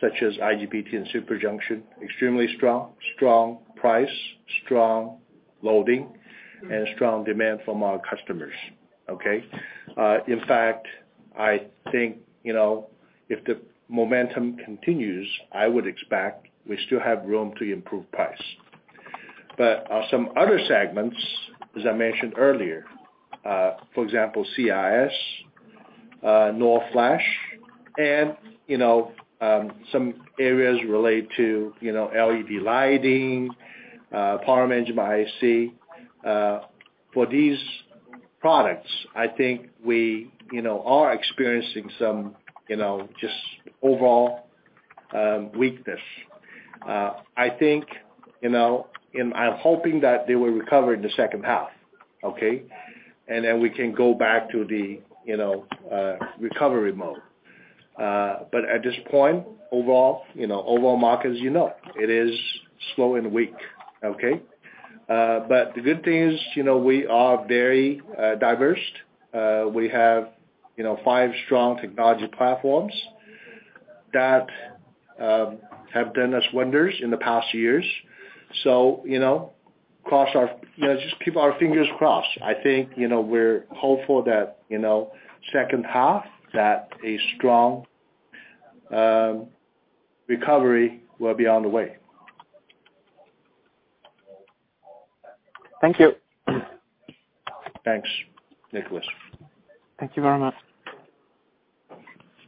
Speaker 2: such as IGBT and super junction. Extremely strong price, strong loading, and strong demand from our customers. Okay? In fact, I think, you know, if the momentum continues, I would expect we still have room to improve price. Some other segments, as I mentioned earlier, for example, CIS, NOR Flash, and, you know, some areas related to, you know, LED lighting, power management IC. For these products, I think we, you know, are experiencing some, you know, just overall weakness. I think, you know. I'm hoping that they will recover in the second half, okay? Then we can go back to the, you know, recovery mode. At this point, overall, you know, market as you know, it is slow and weak, okay? The good thing is, you know, we are very diverse. We have, you know, five strong technology platforms that have done us wonders in the past years. You know, just keep our fingers crossed. I think, you know, we're hopeful that, you know, second half, that a strong recovery will be on the way.
Speaker 9: Thank you.
Speaker 2: Thanks, Nicolas.
Speaker 9: Thank you very much.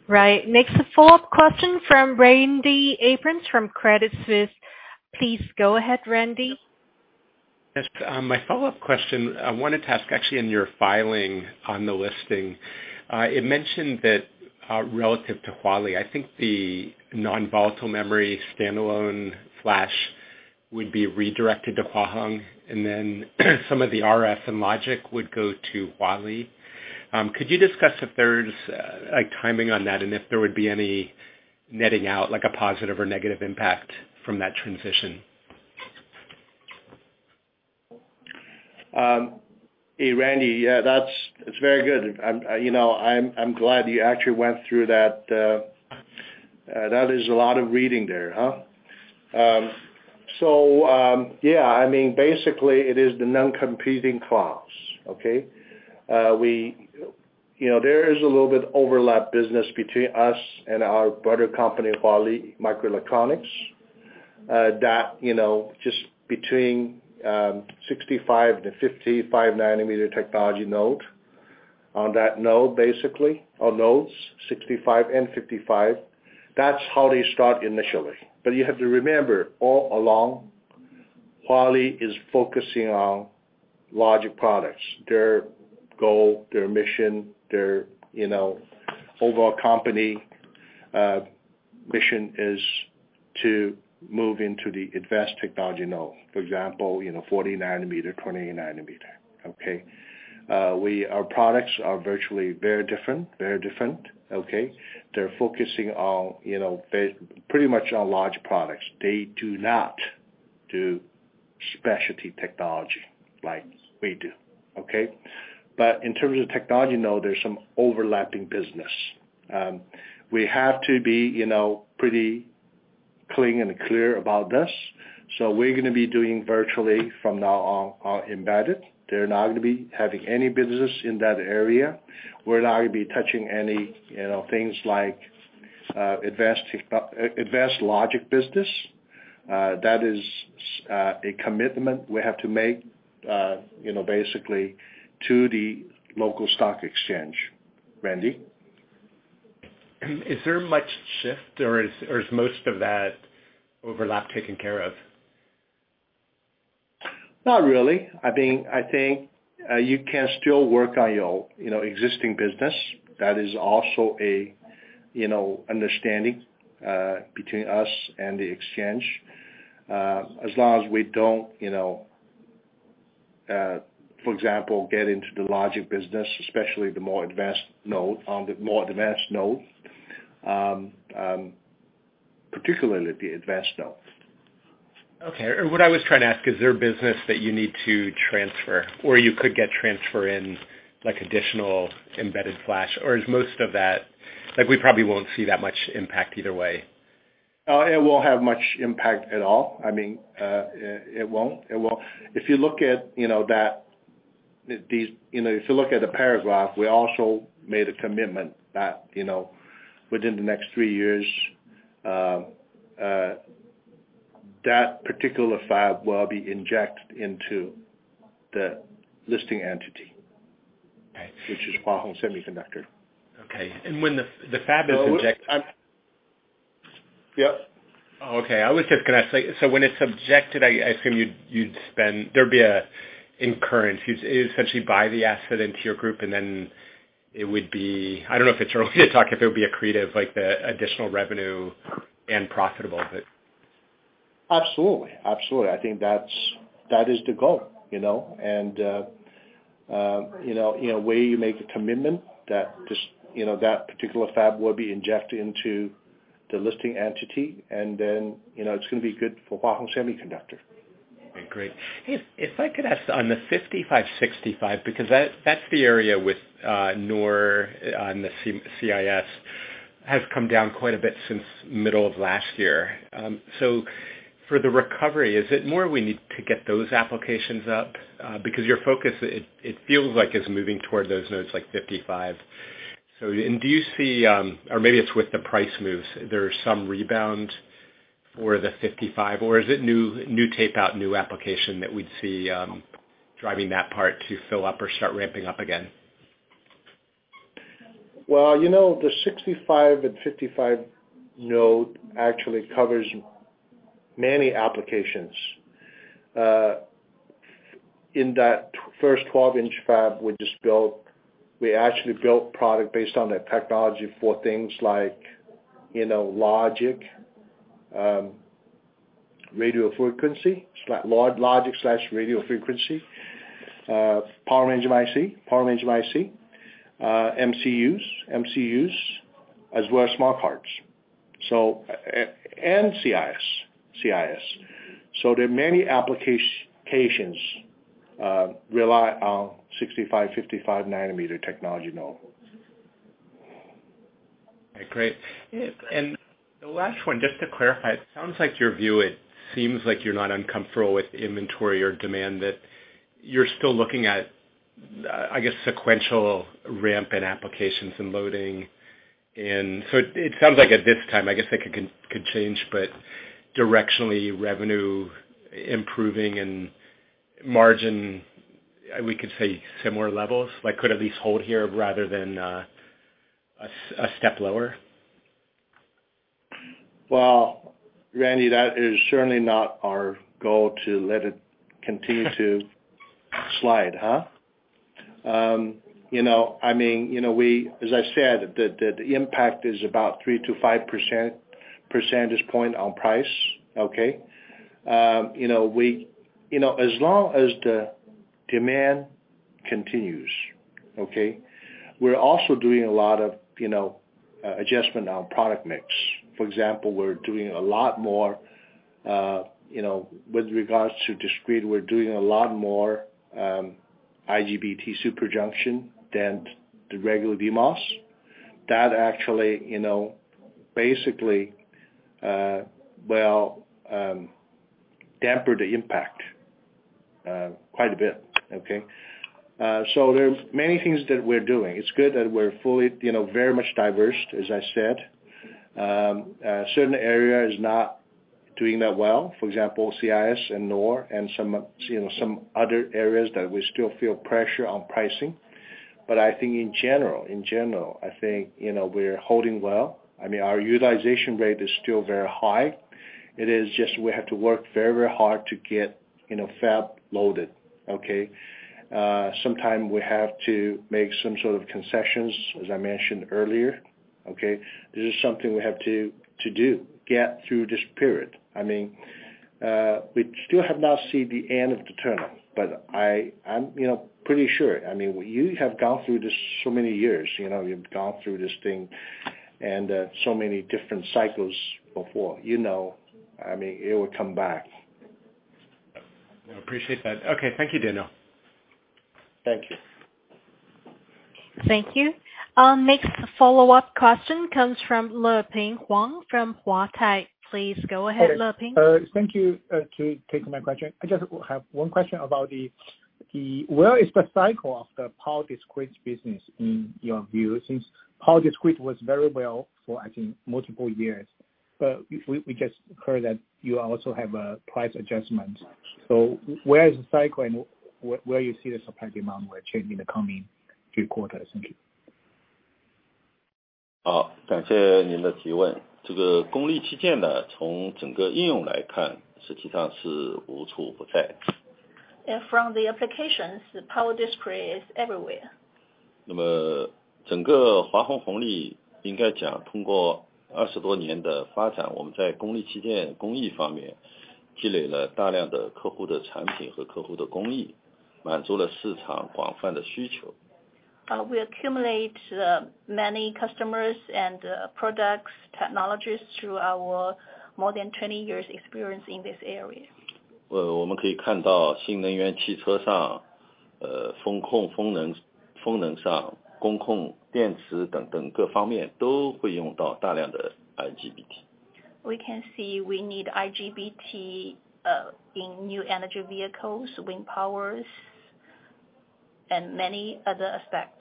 Speaker 1: Right. Next, the follow-up question from Randy Abrams from Credit Suisse. Please go ahead, Randy.
Speaker 4: My follow-up question, I wanted to ask actually on your filing on the listing. It mentioned that relative to Huali, I think the non-volatile memory standalone flash would be redirected to Hua Hong, and then some of the RF and logic would go to Huali. Could you discuss if there's, like, timing on that and if there would be any netting out, like a positive or negative impact from that transition?
Speaker 2: Hey, Randy. Yeah, it's very good. You know, I'm glad you actually went through that is a lot of reading there, huh? Yeah, I mean, basically it is the non-competing clause, okay? You know, there is a little bit overlap business between us and our brother company, Huali Microelectronics, that, you know, just between 65 to 55 nanometer technology node. On that node, basically, or nodes, 65 and 55, that's how they start initially. You have to remember, all along, Huali is focusing on logic products. Their goal, their mission, their, you know, overall company mission is to move into the advanced technology node. For example, you know, 40 nanometer, 20 nanometer, okay? Our products are virtually very different, very different, okay? They're focusing on, you know, pretty much on large products. They do not do specialty technology like we do, okay? In terms of technology, node, there's some overlapping business. We have to be, you know, pretty clean and clear about this. We're gonna be doing virtually from now on, embedded. They're not gonna be having any business in that area. We're not gonna be touching any, you know, things like advanced logic business. That is a commitment we have to make, you know, basically to the local stock exchange, Randy.
Speaker 4: Is there much shift or is, or is most of that overlap taken care of?
Speaker 2: Not really. I think, you can still work on your, you know, existing business. That is also a, you know, understanding, between us and the exchange. As long as we don't, you know, for example, get into the logic business, especially the more advanced node, on the more advanced node, particularly the advanced node.
Speaker 4: Okay. What I was trying to ask, is there business that you need to transfer or you could get transfer in, like additional embedded Flash? Is most of that, like we probably won't see that much impact either way?
Speaker 2: It won't have much impact at all. I mean, it won't. It won't. If you look at, you know, if you look at the paragraph, we also made a commitment that, you know, within the next three years, that particular fab will be injected into the listing entity.
Speaker 4: Right.
Speaker 2: Which is Hua Hong Semiconductor.
Speaker 4: Okay. When the fab is injected.
Speaker 2: Yep.
Speaker 4: Oh, okay. I was just gonna ask, like, so when it's subjected, I assume you'd spend. There'd be a incurrence. You'd essentially buy the asset into your group and then it would be... I don't know if it's early to talk if there would be accretive, like, additional revenue and profitable but.
Speaker 2: Absolutely. Absolutely. I think that is the goal, you know? You know, in a way you make a commitment that this, you know, that particular fab will be injected into the listing entity, and then, you know, it's gonna be good for Hua Hong Semiconductor.
Speaker 4: Okay, great. If I could ask on the 55, 65, because that's the area with NOR on the CIS, has come down quite a bit since middle of last year. For the recovery, is it more we need to get those applications up? Because your focus, it feels like it's moving toward those nodes like 55. Do you see, or maybe it's with the price moves, there's some rebound for the 55, or is it new tape out, new application that we'd see driving that part to fill up or start ramping up again?
Speaker 2: Well, you know, the 65 and 55 node actually covers many applications. In that first 12-inch fab we just built, we actually built product based on the technology for things like, you know, logic, radio frequency. Standard Logic slash radio frequency, power management IC, MCUs, as well as smart cards. CIS. There are many applications rely on 65/55 nanometer technology node.
Speaker 4: Great. The last one, just to clarify, it sounds like your view, it seems like you're not uncomfortable with inventory or demand that you're still looking at, I guess, sequential ramp in applications and loading. It sounds like at this time, I guess that could change, but directionally revenue improving and margin, we could say similar levels, like could at least hold here rather than a step lower.
Speaker 2: Well, Randy, that is certainly not our goal to let it continue to slide, huh? You know, I mean, you know, as I said, the impact is about 3-5 percentage point on price, okay? You know, as long as the demand continues, okay? We're also doing a lot of, you know, adjustment on product mix. For example, we're doing a lot more, you know, with regards to discrete, we're doing a lot more IGBT super junction than the regular DMOS. That actually, you know, basically, will damper the impact quite a bit, okay? There are many things that we're doing. It's good that we're fully, you know, very much diversed, as I said. A certain area is not doing that well, for example, CIS and NOR and some, you know, some other areas that we still feel pressure on pricing. I think in general, I think, you know, we're holding well. I mean, our utilization rate is still very high. It is just we have to work very, very hard to get, you know, fab loaded, okay? Sometimes we have to make some sort of concessions, as I mentioned earlier, okay? This is something we have to do, get through this period. I mean, we still have not seen the end of the tunnel, but I'm, you know, pretty sure. I mean, you have gone through this so many years, you know, you've gone through this thing and so many different cycles before. You know, I mean, it will come back.
Speaker 4: I appreciate that. Okay. Thank you, Daniel.
Speaker 2: Thank you.
Speaker 1: Thank you. Next follow-up question comes from Leping Huang from Huatai. Please go ahead, Leping.
Speaker 5: Thank you to take my question. I just have one question about the... Where is the cycle of the power discrete business in your view, since power discrete was very well for, I think, multiple years. We just heard that you also have a price adjustment. Where is the cycle and where you see the supply, demand will change in the coming few quarters? Thank you.
Speaker 7: From the applications, the power discrete is everywhere. We accumulate many customers and products, technologies through our more than 20 years experience in this area. We can see we need IGBT in new energy vehicles, wind powers, and many other aspects.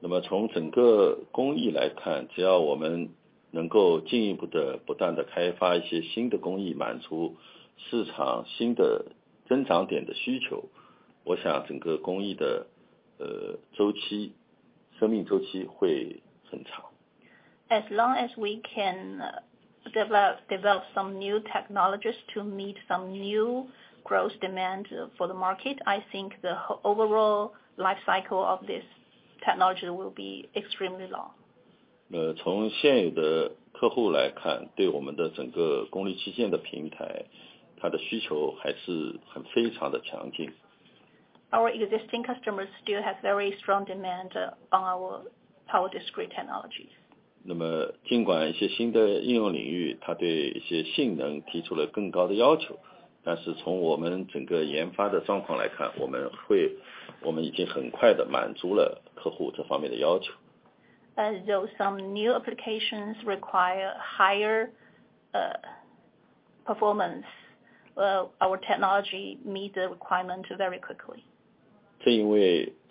Speaker 7: As long as we can develop some new technologies to meet some new growth demands for the market, I think the overall life cycle of this technology will be extremely long. Our existing customers still have very strong demand on our power discrete technologies. As though some new applications require higher performance, our technology meet the requirement very quickly. From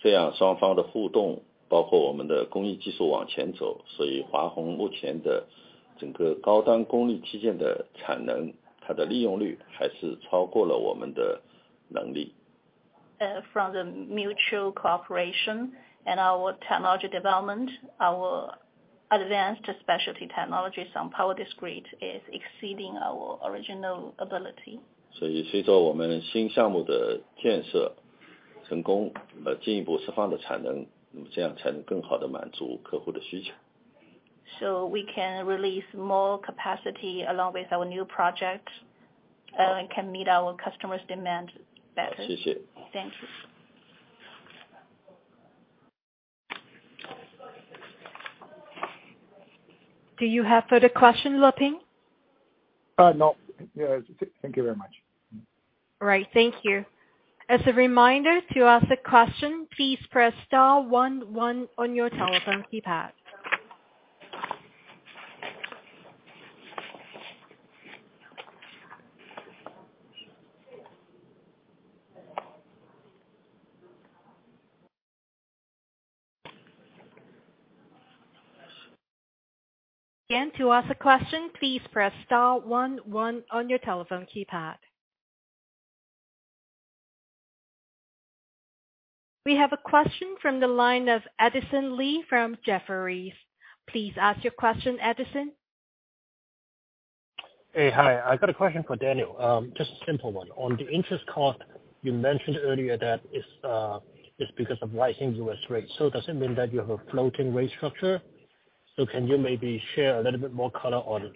Speaker 7: the mutual cooperation and our technology development, our advanced specialty technologies on power discrete is exceeding our original ability. We can release more capacity along with our new project, and can meet our customers' demand better. Thank you.
Speaker 1: Do you have further question, Leping?
Speaker 5: No. Yeah, thank you very much.
Speaker 1: Right. Thank you. As a reminder, to ask a question, please press star one one on your telephone keypad. Again, to ask a question, please press star one one on your telephone keypad. We have a question from the line of Edison Lee from Jefferies. Please ask your question, Edison.
Speaker 10: Hey. Hi. I got a question for Daniel, just a simple one. On the interest cost, you mentioned earlier that it's because of rising U.S. rates. Does it mean that you have a floating rate structure? Can you maybe share a little bit more color on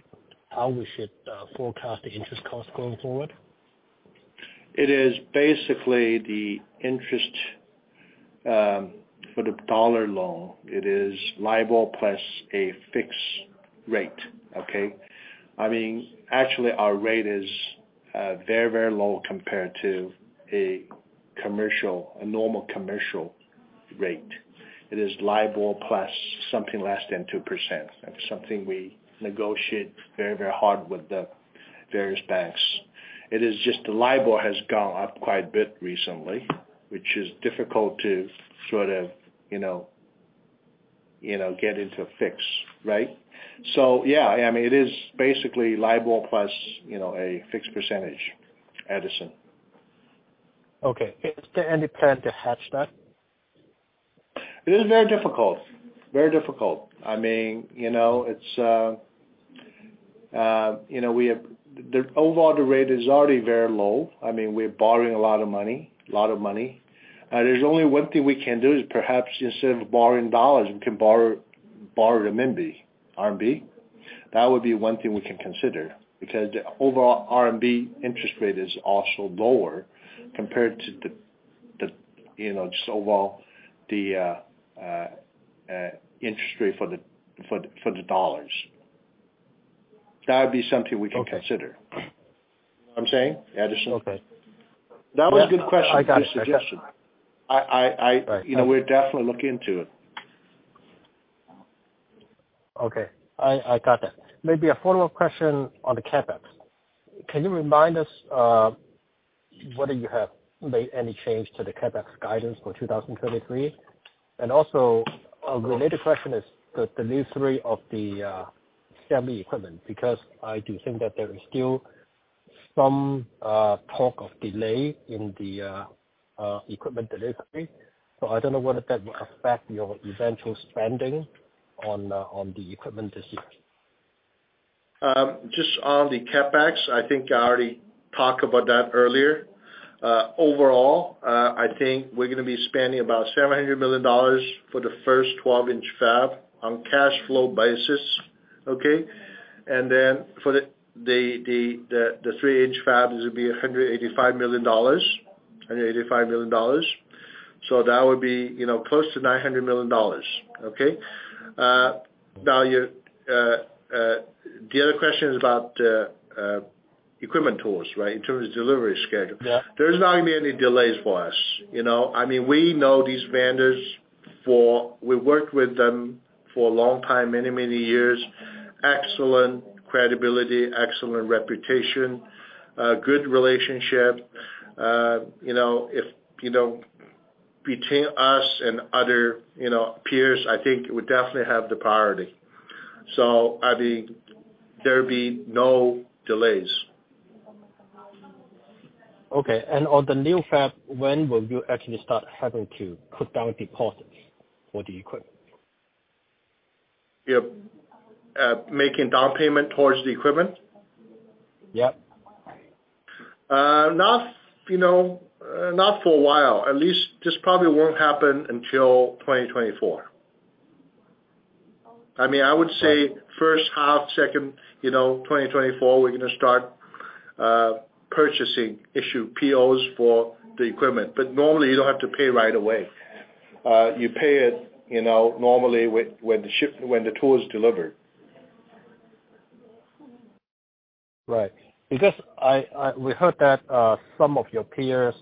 Speaker 10: how we should forecast the interest cost going forward?
Speaker 2: It is basically the interest for the dollar loan. It is LIBOR plus a fixed rate, okay? I mean, actually, our rate is very, very low compared to a commercial, a normal commercial rate. It is LIBOR plus something less than 2%. That's something we negotiate very, very hard with the various banks. It is just the LIBOR has gone up quite a bit recently, which is difficult to sort of, you know, get into fix, right? Yeah, I mean, it is basically LIBOR plus, you know, a fixed percentage, Edison.
Speaker 10: Okay. Is there any plan to hedge that?
Speaker 2: It is very difficult. Very difficult. I mean, you know, it's, you know. The overall rate is already very low. I mean, we're borrowing a lot of money. There's only one thing we can do is perhaps instead of borrowing dollars, we can borrow the RMB. That would be one thing we can consider because the overall RMB interest rate is also lower compared to the, you know, just overall interest rate for the dollars. That would be something we can consider.
Speaker 10: Okay.
Speaker 2: You know what I'm saying, Edison?
Speaker 10: Okay.
Speaker 2: That was a good question, good suggestion.
Speaker 10: Yeah. I got it.
Speaker 2: I, I, I-
Speaker 10: Right.
Speaker 2: You know, we'll definitely look into it.
Speaker 10: Okay. I got that. Maybe a follow-up question on the CapEx. Can you remind us whether you have made any change to the CapEx guidance for 2023? Also, a related question is the delivery of the semi equipment, because I do think that there is still some talk of delay in the equipment delivery. I don't know whether that will affect your eventual spending on the equipment this year.
Speaker 2: Just on the CapEx, I think I already talked about that earlier. Overall, I think we're gonna be spending about $700 million for the first 12-inch fab on cash flow basis, okay. Then for the 3-inch fab, this would be $185 million, $185 million. That would be, you know, close to $900 million, okay. Now you... The other question is about equipment tools, right. In terms of delivery schedule.
Speaker 10: Yeah.
Speaker 2: There's not gonna be any delays for us, you know? I mean, we know these vendors. We worked with them for a long time, many, many years. Excellent credibility, excellent reputation, good relationship. You know, if, you know, between us and other, you know, peers, I think we definitely have the priority. I think there'll be no delays.
Speaker 10: Okay. On the new fab, when will you actually start having to put down deposits for the equipment?
Speaker 2: Yeah. making down payment towards the equipment?
Speaker 10: Yeah.
Speaker 2: Not, you know, not for a while. At least this probably won't happen until 2024. I mean, I would say first half, second, you know, 2024, we're gonna start purchasing, issue POs for the equipment. Normally you don't have to pay right away. You pay it, you know, normally with when the tool is delivered.
Speaker 10: Right. Because I. We heard that some of your peers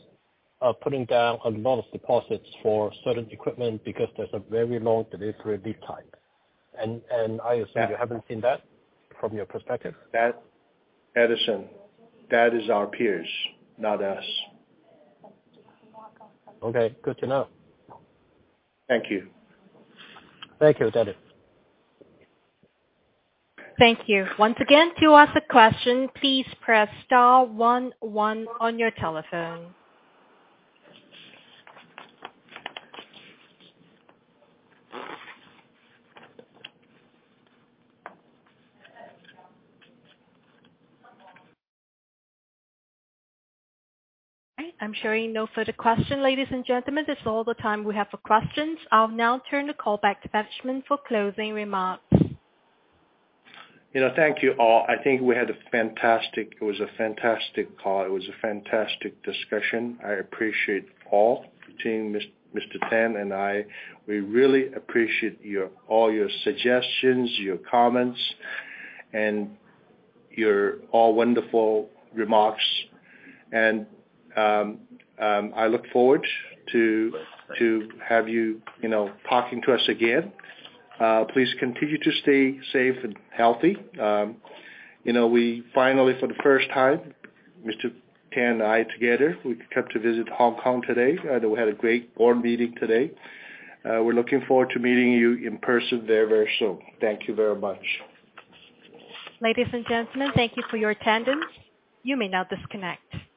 Speaker 10: are putting down a lot of deposits for certain equipment because there's a very long delivery lead time.
Speaker 2: Yeah.
Speaker 10: You haven't seen that from your perspective.
Speaker 2: That, Edison, that is our peers, not us.
Speaker 10: Okay. Good to know.
Speaker 2: Thank you.
Speaker 10: Thank you, Daniel.
Speaker 1: Thank you. Once again, to ask a question, please press star one one on your telephone. All right. I'm showing no further question, ladies and gentlemen. That's all the time we have for questions. I'll now turn the call back to management for closing remarks.
Speaker 2: You know, thank you all. I think we had a fantastic call. It was a fantastic discussion. I appreciate all, between Mr. Tan and I. We really appreciate all your suggestions, your comments, and your all wonderful remarks. I look forward to have you know, talking to us again. Please continue to stay safe and healthy. You know, we finally for the first time, Mr. Tan and I together, we came to visit Hong Kong today, though we had a great board meeting today. We're looking forward to meeting you in person very, very soon. Thank you very much.
Speaker 1: Ladies and gentlemen, thank you for your attendance. You may now disconnect.